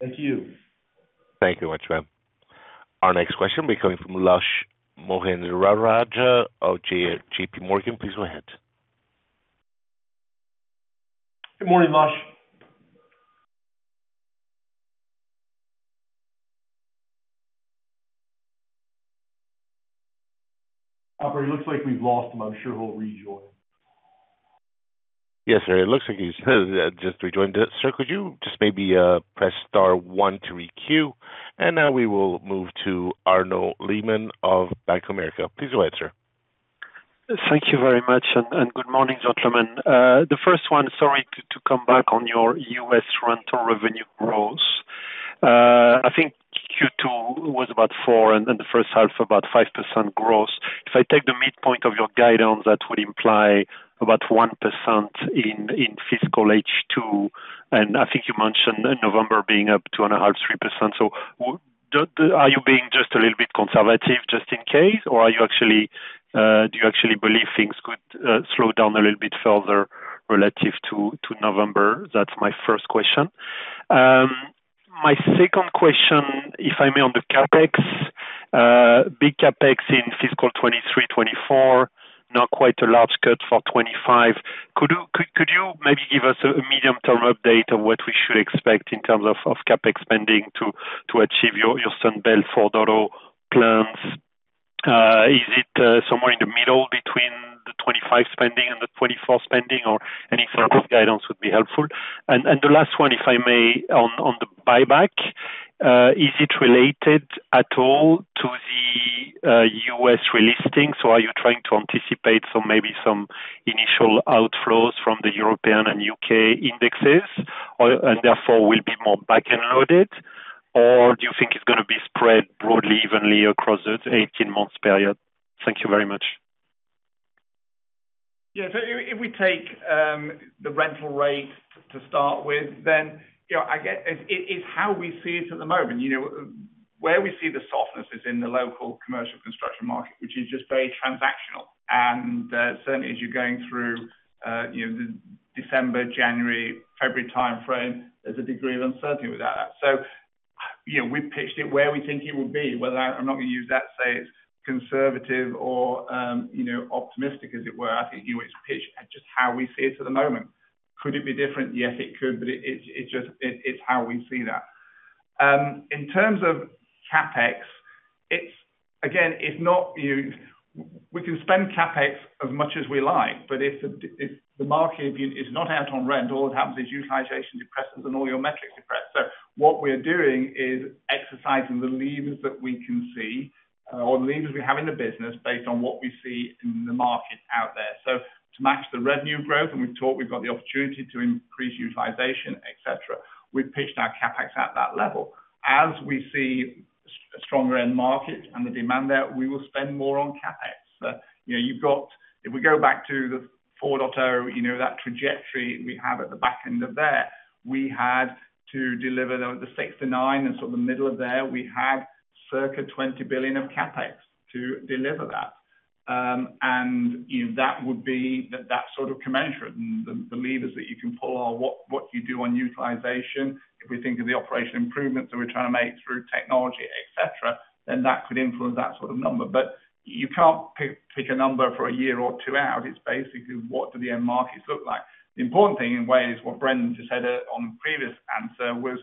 Thank you. Thank you very much, ma'am. Our next question will be coming from Lush Mahendrarajah of JPMorgan. Please go ahead. Good morning, Lush. I'm afraid, it looks like we've lost him. I'm sure he'll rejoin. Yes, sir. It looks like he's just rejoined. Sir, could you just maybe press star one to re-queue? And now we will move to Arnaud Lehmann of Bank of America. Please go ahead, sir. Thank you very much, and good morning, gentlemen. The first one, sorry to come back on your U.S. rental revenue growth. I think Q2 was about 4%, and the first half about 5% growth. If I take the midpoint of your guidance, that would imply about 1% in fiscal H2. And I think you mentioned November being up 2.5%-3%. So are you being just a little bit conservative, just in case, or do you actually believe things could slow down a little bit further relative to November? That's my first question. My second question, if I may, on the CapEx, big CapEx in fiscal 2023, 2024, not quite a large cut for 2025. Could you maybe give us a medium-term update of what we should expect in terms of CapEx spending to achieve your Sunbelt 4.0 plans? Is it somewhere in the middle between the 2025 spending and the 2024 spending, or any further guidance would be helpful? And the last one, if I may, on the buyback, is it related at all to the U.S. relisting? So are you trying to anticipate maybe some initial outflows from the European and U.K. indexes, and therefore will be more back and loaded, or do you think it's going to be spread broadly evenly across the 18-month period? Thank you very much. Yeah. So if we take the rental rate to start with, then it's how we see it at the moment. Where we see the softness is in the local commercial construction market, which is just very transactional. And certainly, as you're going through the December, January, February timeframe, there's a degree of uncertainty with that. So we pitched it where we think it would be, whether I'm not going to use that, say, it's conservative or optimistic, as it were. I think it's pitched at just how we see it at the moment. Could it be different? Yes, it could, but it's how we see that. In terms of CapEx, again, we can spend CapEx as much as we like, but if the market is not out on rent, all that happens is utilization depresses and all your metrics depress. What we're doing is exercising the levers that we can see or the levers we have in the business based on what we see in the market out there. To match the revenue growth, and we think we've got the opportunity to increase utilization, etc., we've pitched our CapEx at that level. As we see a stronger end market and the demand there, we will spend more on CapEx. If we go back to the 4.0, that trajectory we have at the back end there, we had to deliver the six to nine and sort of the middle there, we had circa $20 billion of CapEx to deliver that. That would be that sort of commensurate. The levers that you can pull are what you do on utilization. If we think of the operational improvements that we're trying to make through technology, etc., then that could influence that sort of number. But you can't pick a number for a year or two out. It's basically what do the end markets look like? The important thing in a way is what Brendan just said on the previous answer was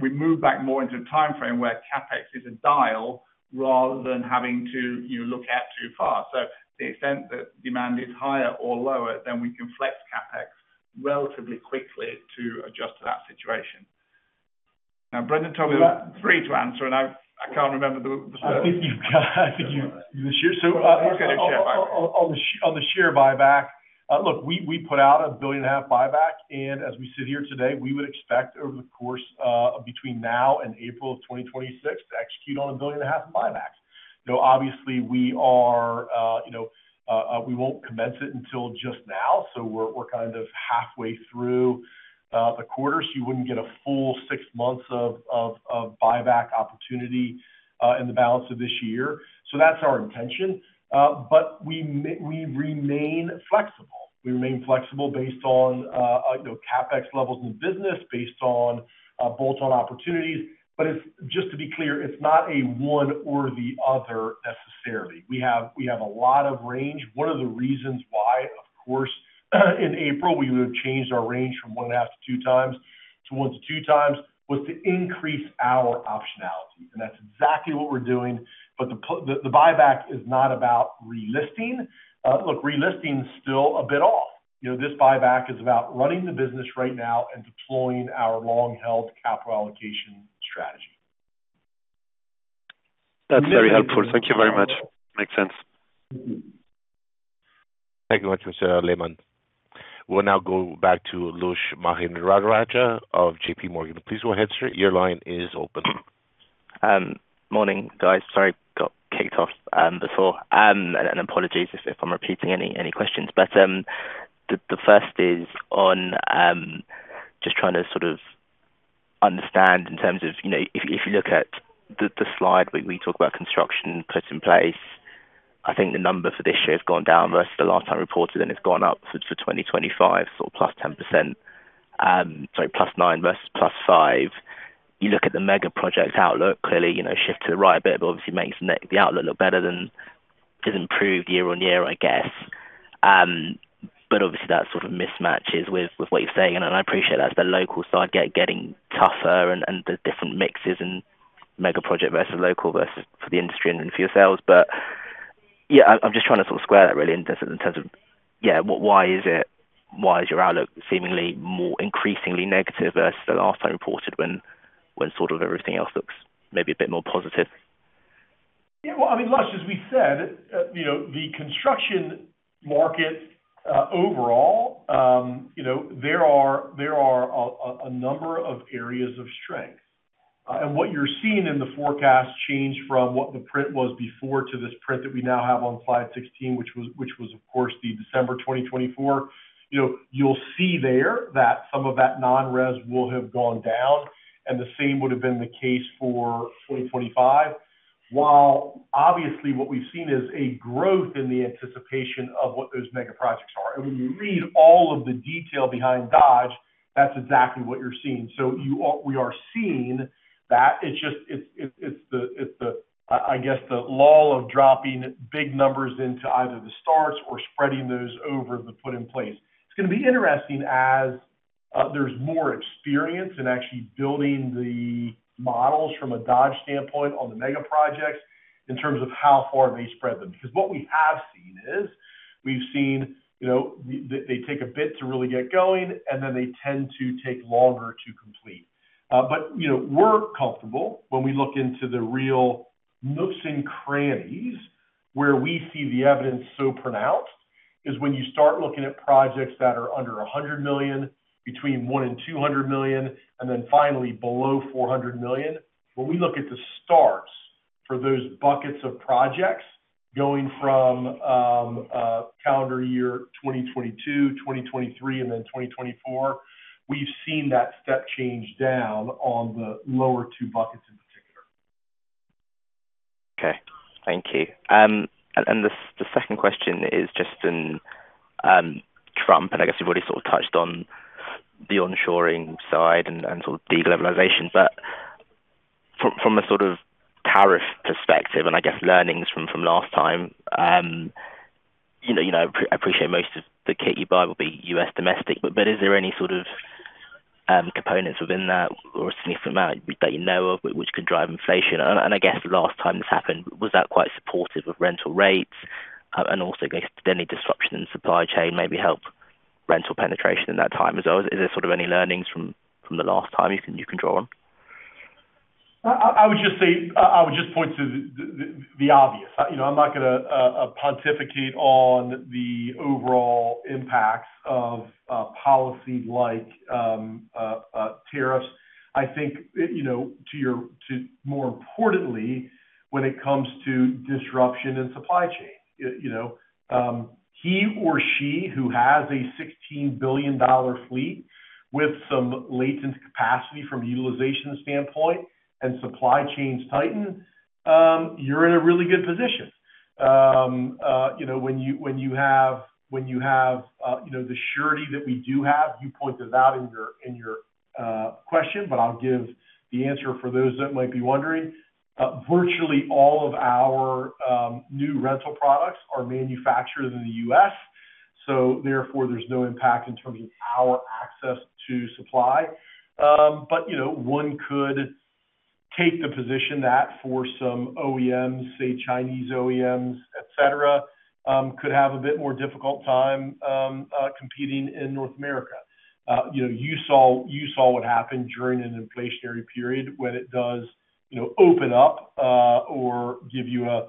we move back more into a timeframe where CapEx is a dial rather than having to look out too far. So to the extent that demand is higher or lower, then we can flex CapEx relatively quickly to adjust to that situation. Now, Brendan told me three to answer, and I can't remember the. I think you've got it. So on the share buyback, look, we put out a $1.5 billion buyback. And as we sit here today, we would expect over the course between now and April of 2026 to execute on a $1.5 billion of buybacks. Obviously, we won't commence it until just now. So we're kind of halfway through the quarter. So you wouldn't get a full six months of buyback opportunity in the balance of this year. So that's our intention. But we remain flexible. We remain flexible based on CapEx levels in the business, based on bolt-on opportunities. But just to be clear, it's not a one or the other necessarily. We have a lot of range. One of the reasons why, of course, in April, we would have changed our range from 1.5x-2x to 1x-2x was to increase our optionality. And that's exactly what we're doing. But the buyback is not about relisting. Look, relisting is still a bit off. This buyback is about running the business right now and deploying our long-held capital allocation strategy. That's very helpful. Thank you very much. Makes sense. Thank you very much, Mr. Lehmann. We'll now go back to Lush Mahendrarajah of JPMorgan. Please go ahead, sir. Your line is open. Morning, guys. Sorry, got kicked off before. And apologies if I'm repeating any questions. But the first is on just trying to sort of understand in terms of if you look at the slide where we talk about construction put in place. I think the number for this year has gone down versus the last time reported, and it's gone up for 2025, so +10%. Sorry, +9% versus +5%. You look at the mega project outlook, clearly shift to the right a bit, but obviously makes the outlook look better than it's improved year on year, I guess. But obviously, that sort of mismatches with what you're saying. And I appreciate that. It's the local side getting tougher and the different mixes and mega project versus local versus for the industry and for yourselves. But yeah, I'm just trying to sort of square that really in terms of, yeah, why is your outlook seemingly more increasingly negative versus the last time reported when sort of everything else looks maybe a bit more positive? Yeah. Well, I mean, Lush, as we said, the construction market overall, there are a number of areas of strength, and what you're seeing in the forecast change from what the print was before to this print that we now have on slide 16, which was, of course, the December 2024, you'll see there that some of that non-res will have gone down, and the same would have been the case for 2025. While obviously what we've seen is a growth in the anticipation of what those mega projects are, and when you read all of the detail behind Dodge, that's exactly what you're seeing, so we are seeing that. It's the, I guess, the lull of dropping big numbers into either the starts or spreading those over the put in place. It's going to be interesting as there's more experience in actually building the models from a Dodge standpoint on the mega projects in terms of how far they spread them. Because what we have seen is we've seen they take a bit to really get going, and then they tend to take longer to complete. But we're comfortable when we look into the real nooks and crannies where we see the evidence so pronounced is when you start looking at projects that are under 100 million, between one and 200 million, and then finally below 400 million. When we look at the starts for those buckets of projects going from calendar year 2022, 2023, and then 2024, we've seen that step change down on the lower two buckets in particular. Okay. Thank you. And the second question is just on Trump, and I guess you've already sort of touched on the onshoring side and sort of deglobalization. But from a sort of tariff perspective and I guess learnings from last time, I appreciate most of the kit you buy will be U.S. domestic, but is there any sort of components within that or a significant amount that you know of which could drive inflation? And I guess the last time this happened, was that quite supportive of rental rates? And also, any disruption in supply chain maybe help rental penetration in that time as well? Is there sort of any learnings from the last time you can draw on? I would just point to the obvious. I'm not going to pontificate on the overall impacts of policy like tariffs. I think, more importantly, when it comes to disruption in supply chain, he or she who has a $16 billion fleet with some latent capacity from utilization standpoint and supply chains tighten, you're in a really good position. When you have the surety that we do have, you pointed out in your question, but I'll give the answer for those that might be wondering. Virtually all of our new rental products are manufactured in the U.S. So therefore, there's no impact in terms of our access to supply. But one could take the position that for some OEMs, say Chinese OEMs, etc., could have a bit more difficult time competing in North America. You saw what happened during an inflationary period when it does open up or give you an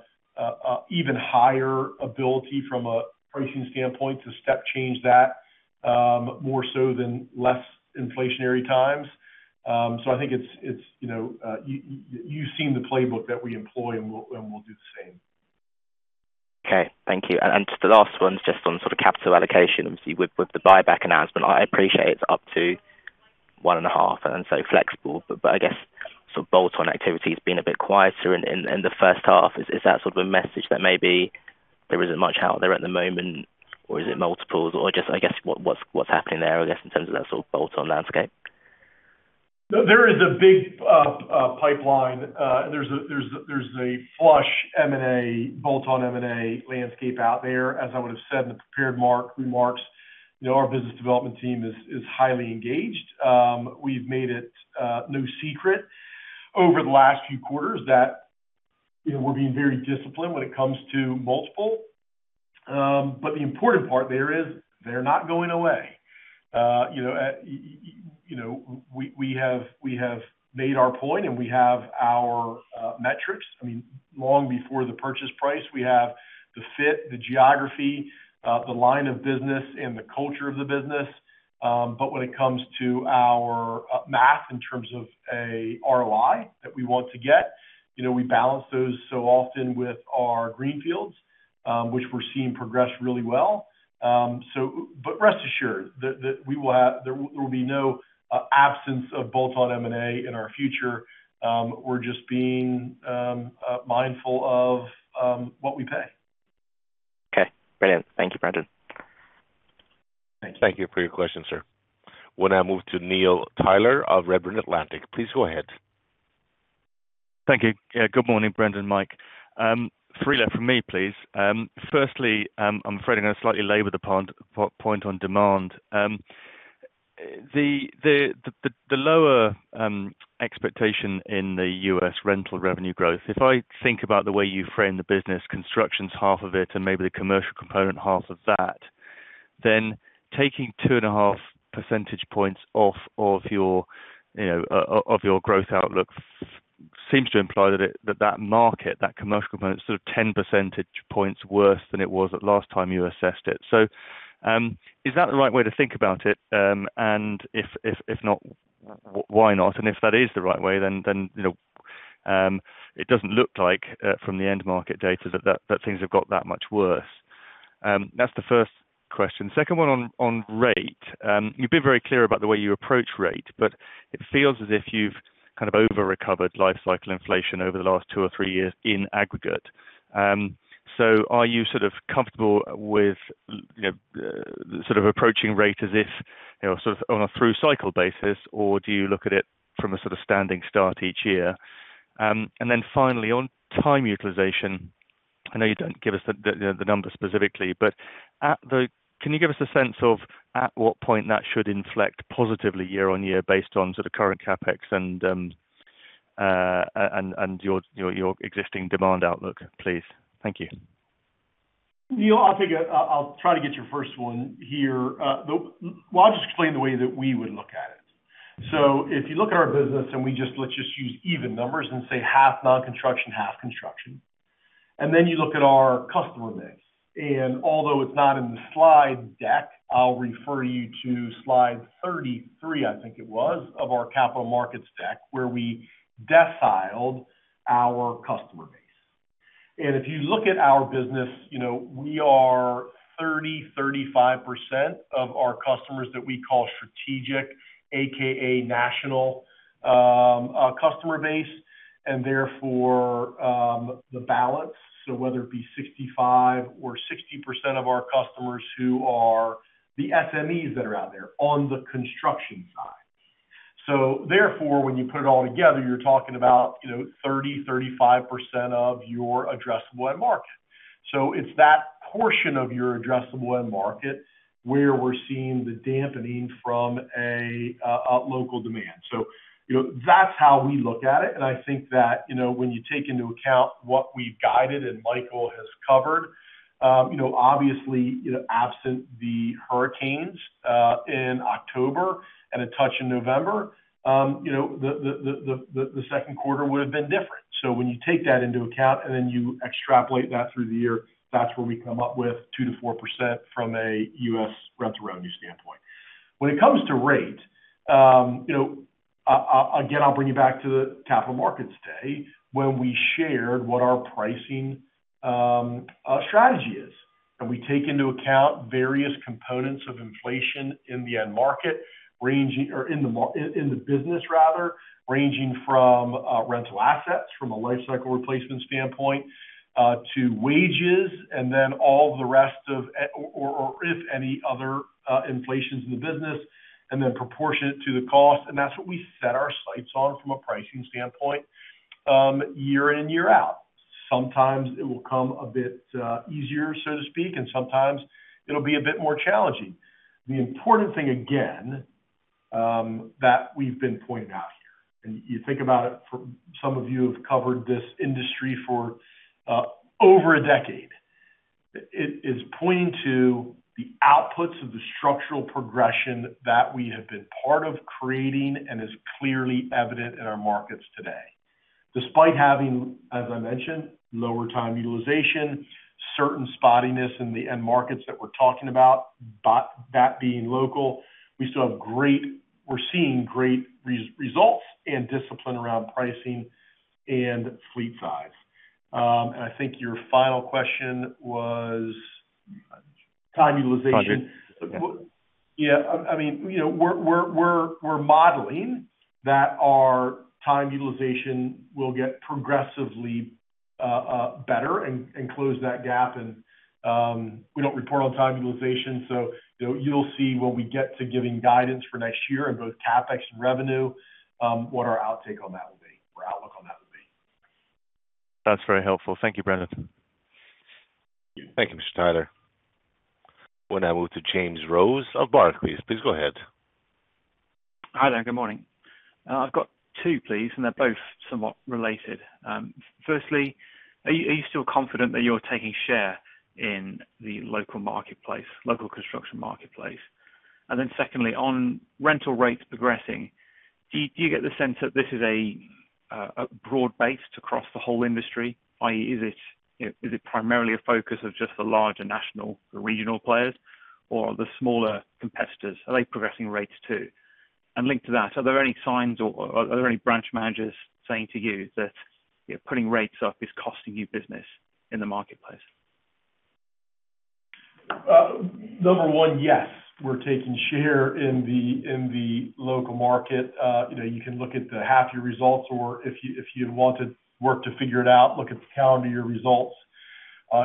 even higher ability from a pricing standpoint to step change that more so than less inflationary times. So I think you've seen the playbook that we employ, and we'll do the same. Okay. Thank you. And just the last one is just on sort of capital allocation. Obviously, with the buyback announcement, I appreciate it's up to one and a half and so flexible. But I guess sort of bolt-on activity has been a bit quieter in the first half. Is that sort of a message that maybe there isn't much out there at the moment, or is it multiples, or just I guess what's happening there, I guess, in terms of that sort of bolt-on landscape? There is a big pipeline. There's a flush M&A, bolt-on M&A landscape out there, as I would have said in the prepared remarks. Our business development team is highly engaged. We've made it no secret over the last few quarters that we're being very disciplined when it comes to multiple. But the important part there is they're not going away. We have made our point, and we have our metrics. I mean, long before the purchase price, we have the fit, the geography, the line of business, and the culture of the business. But when it comes to our math in terms of an ROI that we want to get, we balance those so often with our greenfields, which we're seeing progress really well. But rest assured that there will be no absence of bolt-on M&A in our future. We're just being mindful of what we pay. Okay. Brilliant. Thank you, Brendan. Thank you for your question, sir. We're now moving to Neil Tyler of Redburn Atlantic. Please go ahead. Thank you. Good morning, Brendan and Mike. Three left from me, please. Firstly, I'm afraid I'm going to slightly labor the point on demand. The lower expectation in the U.S. rental revenue growth, if I think about the way you frame the business, construction's half of it and maybe the commercial component half of that, then taking two and a half percentage points off of your growth outlook seems to imply that that market, that commercial component is sort of 10 percentage points worse than it was at last time you assessed it. So is that the right way to think about it? And if not, why not? And if that is the right way, then it doesn't look like from the end market data that things have got that much worse. That's the first question. Second one on rate. You've been very clear about the way you approach rate, but it feels as if you've kind of over-recovered life cycle inflation over the last two or three years in aggregate. So are you sort of comfortable with sort of approaching rate as if sort of on a through cycle basis, or do you look at it from a sort of standing start each year? And then finally, on time utilization, I know you don't give us the number specifically, but can you give us a sense of at what point that should inflect positively year on year based on sort of current CapEx and your existing demand outlook, please? Thank you. I'll try to get your first one here. Well, I'll just explain the way that we would look at it. So if you look at our business and let's just use even numbers and say half non-construction, half construction, and then you look at our customer base. And although it's not in the slide deck, I'll refer you to slide 33, I think it was, of our capital markets deck where we deciled our customer base. And if you look at our business, we are 30%-35% of our customers that we call strategic, aka national customer base. And therefore, the balance, so whether it be 65% or 60% of our customers who are the SMEs that are out there on the construction side. So therefore, when you put it all together, you're talking about 30%-35% of your addressable end market. It's that portion of your addressable end market where we're seeing the dampening from a local demand. That's how we look at it. I think that when you take into account what we've guided and Michael has covered, obviously, absent the hurricanes in October and a touch in November, the second quarter would have been different. When you take that into account and then you extrapolate that through the year, that's where we come up with 2%-4% from a U.S. rental revenue standpoint. When it comes to rate, again, I'll bring you back to the Capital Markets Day when we shared what our pricing strategy is. And we take into account various components of inflation in the end market, or in the business rather, ranging from rental assets from a life cycle replacement standpoint to wages and then all of the rest of, or if any, other inflations in the business, and then proportionate to the cost. And that's what we set our sights on from a pricing standpoint year in and year out. Sometimes it will come a bit easier, so to speak, and sometimes it'll be a bit more challenging. The important thing, again, that we've been pointing out here, and you think about it, some of you have covered this industry for over a decade, is pointing to the outputs of the structural progression that we have been part of creating and is clearly evident in our markets today. Despite having, as I mentioned, lower time utilization, certain spottiness in the end markets that we're talking about, that being local, we still have great, we're seeing great results and discipline around pricing and fleet size. And I think your final question was time utilization. Yeah. I mean, we're modeling that our time utilization will get progressively better and close that gap. And we don't report on time utilization. So you'll see when we get to giving guidance for next year on both CapEx and revenue, what our outlook on that will be or outlook on that will be. That's very helpful. Thank you, Brendan. Thank you, Mr. Tyler. We'll now move to James Rose of Barclays. Please go ahead. Hi there. Good morning. I've got two, please, and they're both somewhat related. Firstly, are you still confident that you're taking share in the local marketplace, local construction marketplace? And then secondly, on rental rates progressing, do you get the sense that this is a broad-based across the whole industry? Is it primarily a focus of just the larger national or regional players, or are the smaller competitors, are they progressing rates too? And linked to that, are there any signs or are there any branch managers saying to you that putting rates up is costing you business in the marketplace? Number one, yes, we're taking share in the local market. You can look at the half-year results, or if you wanted work to figure it out, look at the calendar year results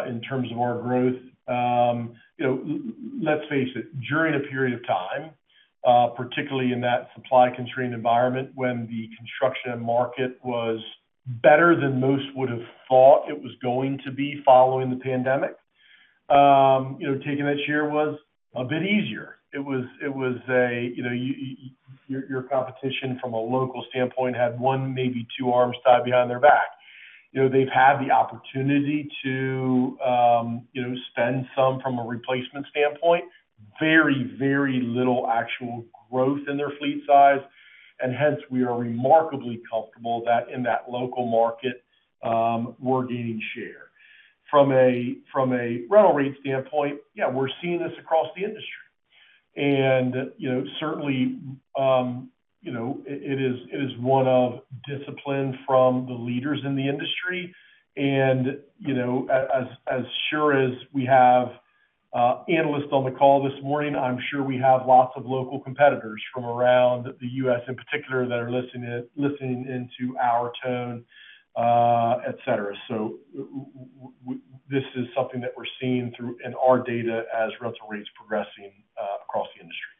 in terms of our growth. Let's face it, during a period of time, particularly in that supply-constrained environment when the construction market was better than most would have thought it was going to be following the pandemic, taking that share was a bit easier. It was, your competition from a local standpoint had one, maybe two arms tied behind their back. They've had the opportunity to spend some from a replacement standpoint, very, very little actual growth in their fleet size. And hence, we are remarkably comfortable that in that local market, we're gaining share. From a rental rate standpoint, yeah, we're seeing this across the industry. Certainly, it is one of discipline from the leaders in the industry. And as sure as we have analysts on the call this morning, I'm sure we have lots of local competitors from around the U.S. in particular that are listening into our tone, etc. So this is something that we're seeing through in our data as rental rates progressing across the industry.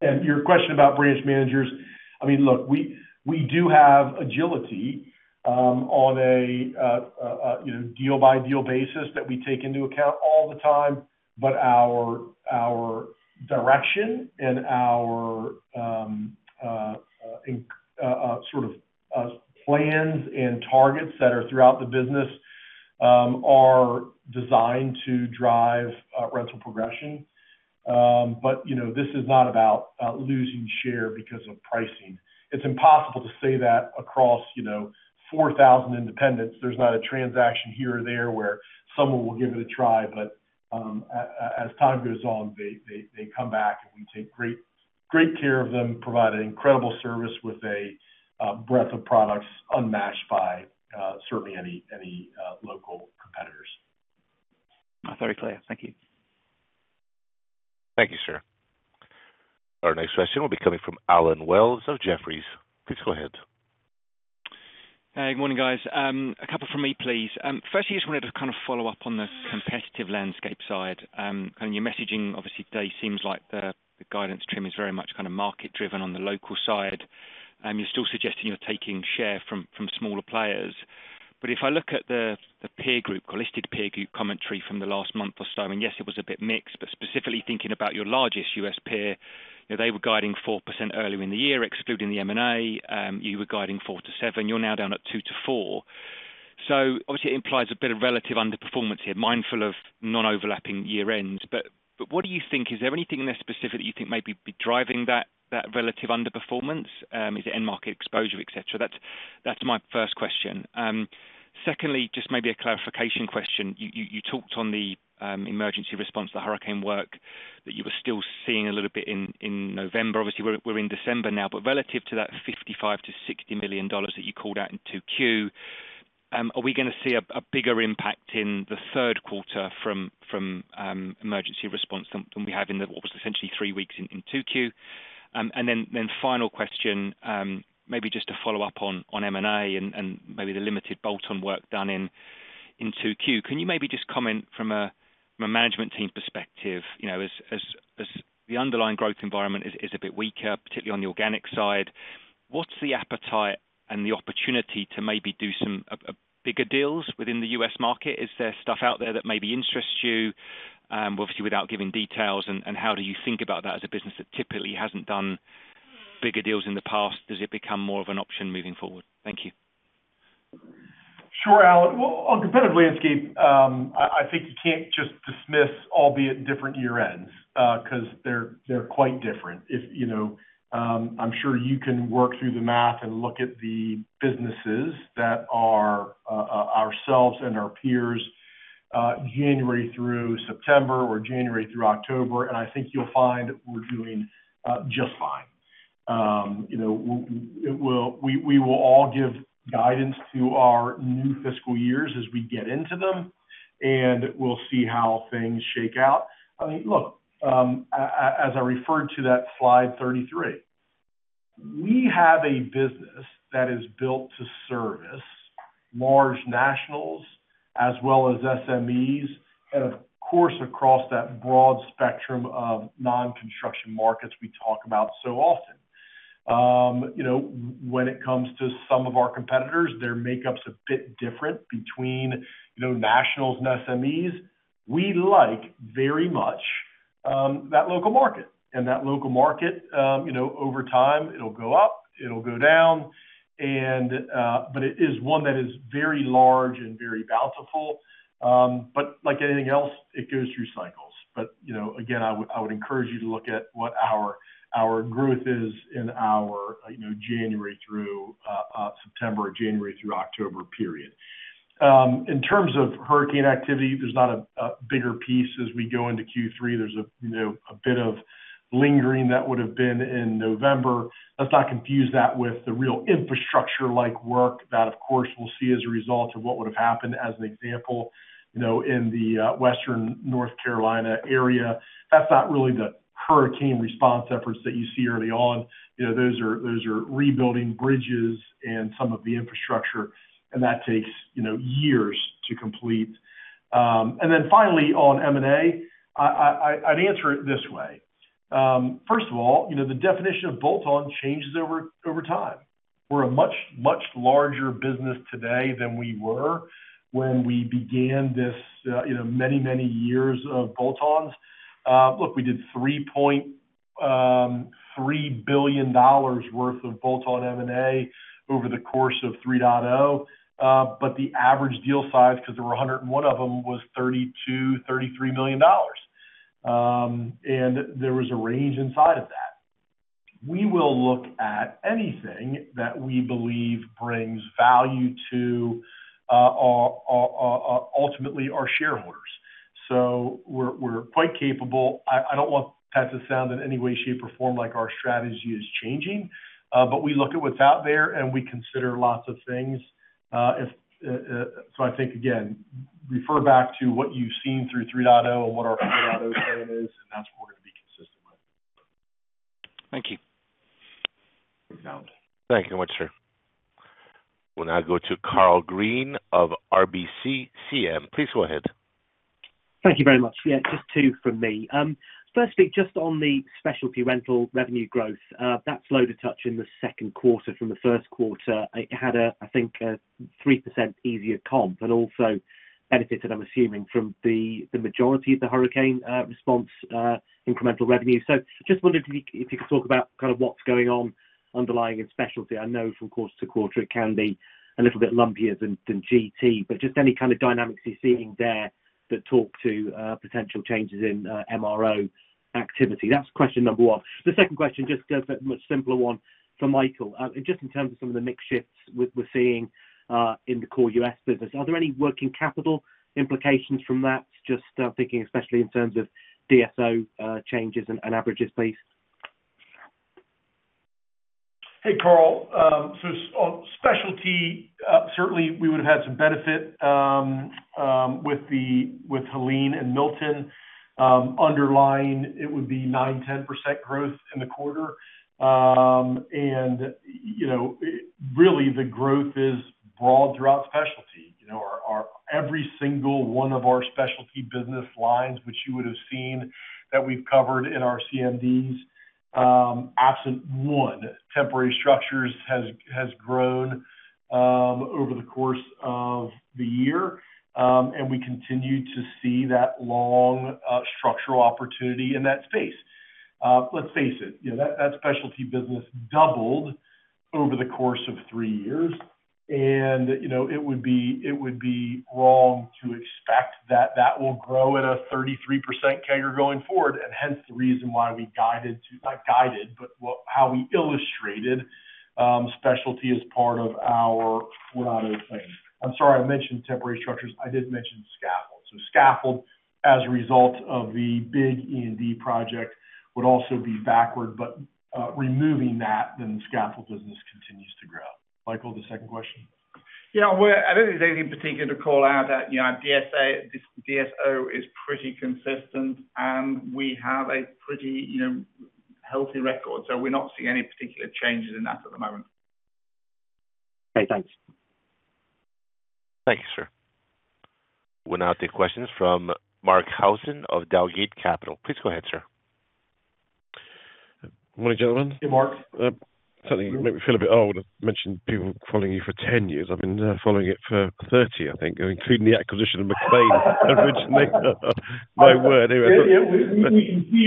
And your question about branch managers, I mean, look, we do have agility on a deal-by-deal basis that we take into account all the time. But our direction and our sort of plans and targets that are throughout the business are designed to drive rental progression. But this is not about losing share because of pricing. It's impossible to say that across 4,000 independents. There's not a transaction here or there where someone will give it a try. But as time goes on, they come back, and we take great care of them, provide an incredible service with a breadth of products unmatched by certainly any local competitors. That's very clear. Thank you. Thank you, sir. Our next question will be coming from Allen Wells of Jefferies. Please go ahead. Hey, good morning, guys. A couple from me, please. Firstly, I just wanted to kind of follow up on the competitive landscape side. Kind of your messaging, obviously, today seems like the guidance trim is very much kind of market-driven on the local side. You're still suggesting you're taking share from smaller players. But if I look at the listed peer group commentary from the last month or so, and yes, it was a bit mixed, but specifically thinking about your largest U.S. peer, they were guiding 4% earlier in the year, excluding the M&A. You were guiding 4% to 7%. You're now down at 2% to 4%. So obviously, it implies a bit of relative underperformance here, mindful of non-overlapping year-ends. But what do you think? Is there anything in there specific that you think may be driving that relative underperformance? Is it end market exposure, etc.? That's my first question. Secondly, just maybe a clarification question. You talked on the emergency response, the hurricane work, that you were still seeing a little bit in November. Obviously, we're in December now. But relative to that $55 million-$60 million that you called out in 2Q, are we going to see a bigger impact in the third quarter from emergency response than we have in what was essentially three weeks in 2Q? And then final question, maybe just to follow up on M&A and maybe the limited bolt-on work done in 2Q, can you maybe just comment from a management team perspective? As the underlying growth environment is a bit weaker, particularly on the organic side, what's the appetite and the opportunity to maybe do some bigger deals within the U.S. market? Is there stuff out there that maybe interests you? Obviously, without giving details, and how do you think about that as a business that typically hasn't done bigger deals in the past? Does it become more of an option moving forward? Thank you. Sure, Allen. Well, on competitive landscape, I think you can't just dismiss, albeit different year-ends, because they're quite different. I'm sure you can work through the math and look at the businesses that are ourselves and our peers January through September or January through October. And I think you'll find we're doing just fine. We will all give guidance to our new fiscal years as we get into them, and we'll see how things shake out. I mean, look, as I referred to that slide 33, we have a business that is built to service large nationals as well as SMEs and, of course, across that broad spectrum of non-construction markets we talk about so often. When it comes to some of our competitors, their makeup's a bit different between nationals and SMEs. We like very much that local market. And that local market, over time, it'll go up, it'll go down, but it is one that is very large and very bountiful. But like anything else, it goes through cycles. But again, I would encourage you to look at what our growth is in our January through September or January through October period. In terms of hurricane activity, there's not a bigger piece. As we go into Q3, there's a bit of lingering that would have been in November. Let's not confuse that with the real infrastructure-like work that, of course, we'll see as a result of what would have happened, as an example, in the Western North Carolina area. That's not really the hurricane response efforts that you see early on. Those are rebuilding bridges and some of the infrastructure, and that takes years to complete. And then finally, on M&A, I'd answer it this way. First of all, the definition of bolt-on changes over time. We're a much, much larger business today than we were when we began this many, many years of bolt-ons. Look, we did $3.3 billion worth of bolt-on M&A over the course of 3.0, but the average deal size, because there were 101 of them, was $32 million-$33 million, and there was a range inside of that. We will look at anything that we believe brings value to ultimately our shareholders, so we're quite capable. I don't want that to sound in any way, shape, or form like our strategy is changing, but we look at what's out there, and we consider lots of things, so I think, again, refer back to what you've seen through 3.0 and what our 3.0 plan is, and that's what we're going to be consistent with. Thank you. Thank you very much, sir. We'll now go to Karl Green of RBC Capital Markets. Please go ahead. Thank you very much. Yeah, just two from me. Firstly, just on the Specialty rental revenue growth, that slowed a touch in the second quarter from the first quarter. It had, I think, a 3% easier comp and also benefited, I'm assuming, from the majority of the hurricane response incremental revenue. So I just wondered if you could talk about kind of what's going on underlying in Specialty. I know from quarter to quarter, it can be a little bit lumpier than GT, but just any kind of dynamics you're seeing there that talk to potential changes in MRO activity. That's question number one. The second question, just a much simpler one for Michael. Just in terms of some of the mixed shifts we're seeing in the core U.S. business, are there any working capital implications from that? Just thinking especially in terms of DSO changes and averages, please. Hey, Karl. So on Specialty, certainly, we would have had some benefit with Helene and Milton. Underlying, it would be 9%-10% growth in the quarter. And really, the growth is broad throughout Specialty. Every single one of our Specialty business lines, which you would have seen that we've covered in our CMDs, absent one, temporary structures has grown over the course of the year. And we continue to see that long structural opportunity in that space. Let's face it, that Specialty business doubled over the course of three years. And it would be wrong to expect that that will grow at a 33% CAGR going forward. And hence the reason why we guided to not guided, but how we illustrated Specialty as part of our 4.0 plan. I'm sorry, I mentioned temporary structures. I did mention scaffold. So scaffold, as a result of the big LNG project, would also be backward. But removing that, then the scaffold business continues to grow. Michael, the second question. Yeah. I don't think there's anything particular to call out. DSO is pretty consistent, and we have a pretty healthy record. So we're not seeing any particular changes in that at the moment. Okay. Thanks. Thank you, sir. We'll now take questions from Mark Howson of Dowgate Capital. Please go ahead, sir. Good morning, gentlemen. Hey, Mark. Something that made me feel a bit old. I've mentioned people following you for 10 years. I've been following it for 30, I think, including the acquisition of McLean. My word. Yeah. We can see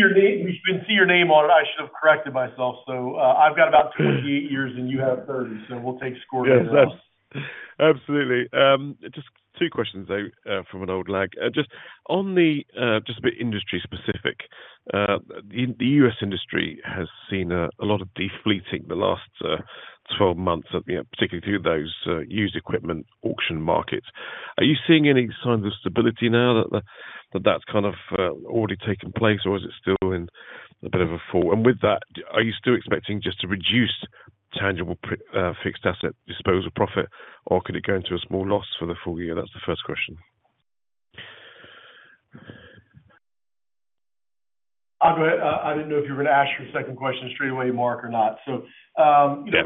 your name on it. I should have corrected myself. So I've got about 28 years, and you have 30. So we'll take score on that. Yes. Absolutely. Just two questions, though, from an old lag. Just a bit industry-specific. The U.S. industry has seen a lot of deflating the last 12 months, particularly through those used equipment auction markets. Are you seeing any signs of stability now that that's kind of already taken place, or is it still in a bit of a fall? And with that, are you still expecting just to reduce tangible fixed asset disposal profit, or could it go into a small loss for the full year? That's the first question. I didn't know if you were going to ask your second question straight away, Mark, or not. So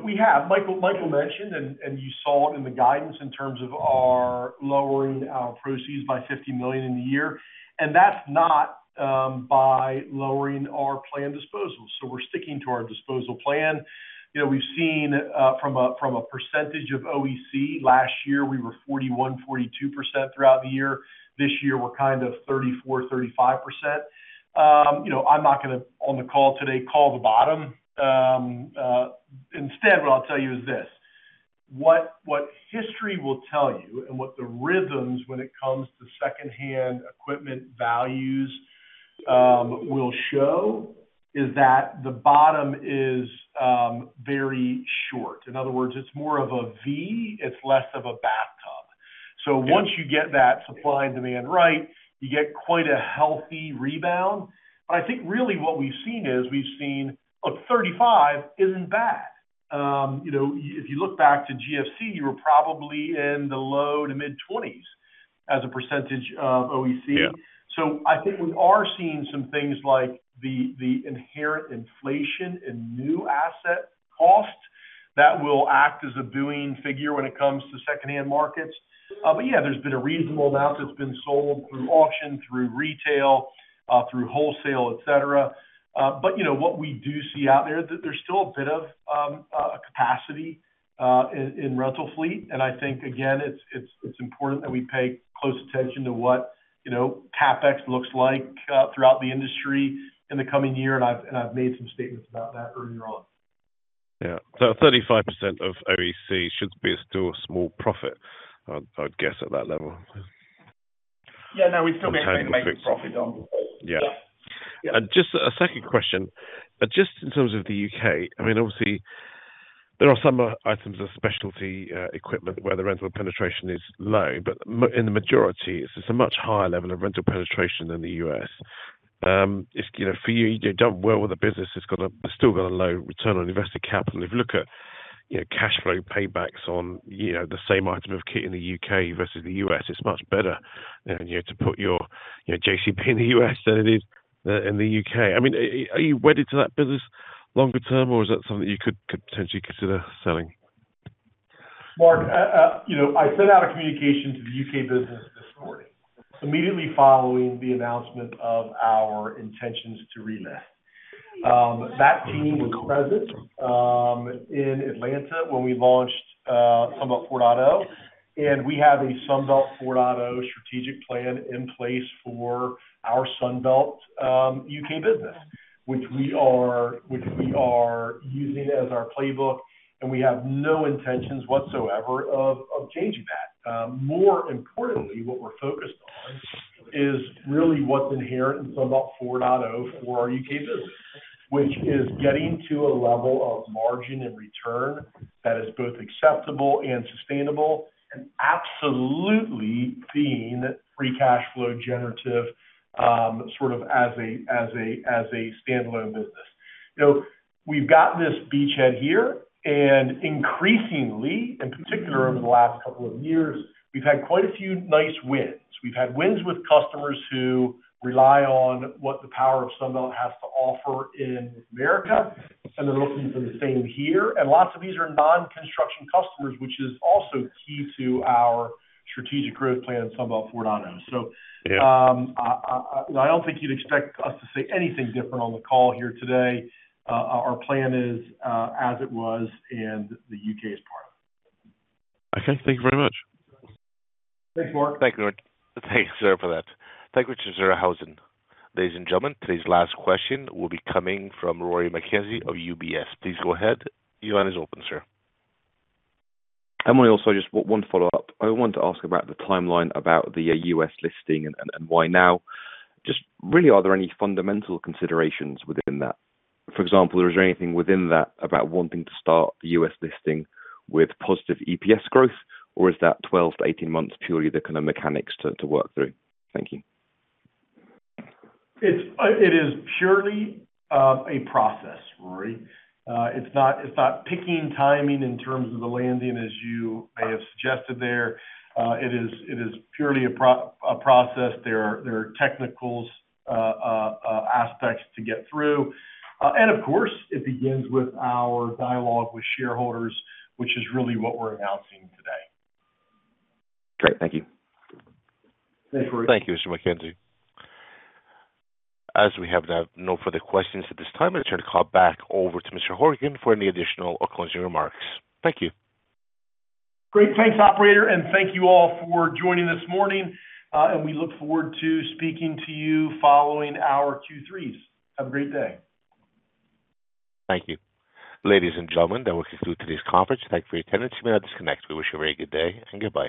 we have. Michael mentioned, and you saw it in the guidance in terms of our lowering our proceeds by $50 million in the year. And that's not by lowering our plan disposal. So we're sticking to our disposal plan. We've seen from a percentage of OEC, last year, we were 41%-42% throughout the year. This year, we're kind of 34%-35%. I'm not going to, on the call today, call the bottom. Instead, what I'll tell you is this: what history will tell you and what the rhythms, when it comes to secondhand equipment values, will show is that the bottom is very short. In other words, it's more of a V. It's less of a bathtub. So once you get that supply and demand right, you get quite a healthy rebound. But I think really what we've seen is, look, 35% isn't bad. If you look back to GFC, you were probably in the low- to mid-20s% as a percentage of OEC. So I think we are seeing some things like the inherent inflation in new asset costs that will act as a buoying figure when it comes to secondhand markets. But yeah, there's been a reasonable amount that's been sold through auction, through retail, through wholesale, etc. But what we do see out there, there's still a bit of capacity in rental fleet. And I think, again, it's important that we pay close attention to what CapEx looks like throughout the industry in the coming year. And I've made some statements about that earlier on. Yeah, so 35% of OEC should be still a small profit, I would guess, at that level. Yeah. No, we'd still be at 35% profit on. Yeah. And just a second question. Just in terms of the U.K., I mean, obviously, there are some items of Specialty equipment where the rental penetration is low. But in the majority, it's a much higher level of rental penetration than the U.S. For you, you've done well with the business. It's still got a low return on invested capital. If you look at cash flow paybacks on the same item of kit in the U.K. versus the U.S., it's much better to put your JCB in the U.S. than it is in the U.K. I mean, are you wedded to that business longer term, or is that something you could potentially consider selling? Mark, I sent out a communication to the U.K. business this morning, immediately following the announcement of our intentions to relist. That team was present in Atlanta when we launched Sunbelt 4.0. We have a Sunbelt 4.0 strategic plan in place for our Sunbelt U.K. business, which we are using as our playbook. We have no intentions whatsoever of changing that. More importantly, what we're focused on is really what's inherent in Sunbelt 4.0 for our U.K. business, which is getting to a level of margin and return that is both acceptable and sustainable and absolutely being free cash flow generative sort of as a standalone business. We've got this beachhead here. Increasingly, in particular over the last couple of years, we've had quite a few nice wins. We've had wins with customers who rely on what the power of Sunbelt has to offer in America, and they're looking for the same here, and lots of these are non-construction customers, which is also key to our strategic growth plan in Sunbelt 4.0, so I don't think you'd expect us to say anything different on the call here today. Our plan is as it was, and the U.K. is part of it. Okay. Thank you very much. Thanks, Mark. Thank you, Brendan. Thank you, sir, for that. Thank you to Mr. Howson Ladies and gentlemen, today's last question will be coming from Rory Mckenzie of UBS. Please go ahead. The line is open, sir. I'm only also just one follow-up. I want to ask about the timeline about the U.S. listing and why now. Just really, are there any fundamental considerations within that? For example, is there anything within that about wanting to start the U.S. listing with positive EPS growth, or is that 12-18 months purely the kind of mechanics to work through? Thank you. It is purely a process, Rory. It's not picking timing in terms of the landing, as you may have suggested there. It is purely a process. There are technical aspects to get through. And of course, it begins with our dialogue with shareholders, which is really what we're announcing today. Great. Thank you. Thanks, Rory. Thank you, Rory Mckenzie. As we have no further questions at this time, I'm going to turn the call back over to Mr. Horgan for any additional or closing remarks. Thank you. Great. Thanks, operator, and thank you all for joining this morning, and we look forward to speaking to you following our Q3s. Have a great day. Thank you. Ladies and gentlemen, that will conclude today's conference. Thank you for your attendance. You may now disconnect. We wish you a very good day and goodbye.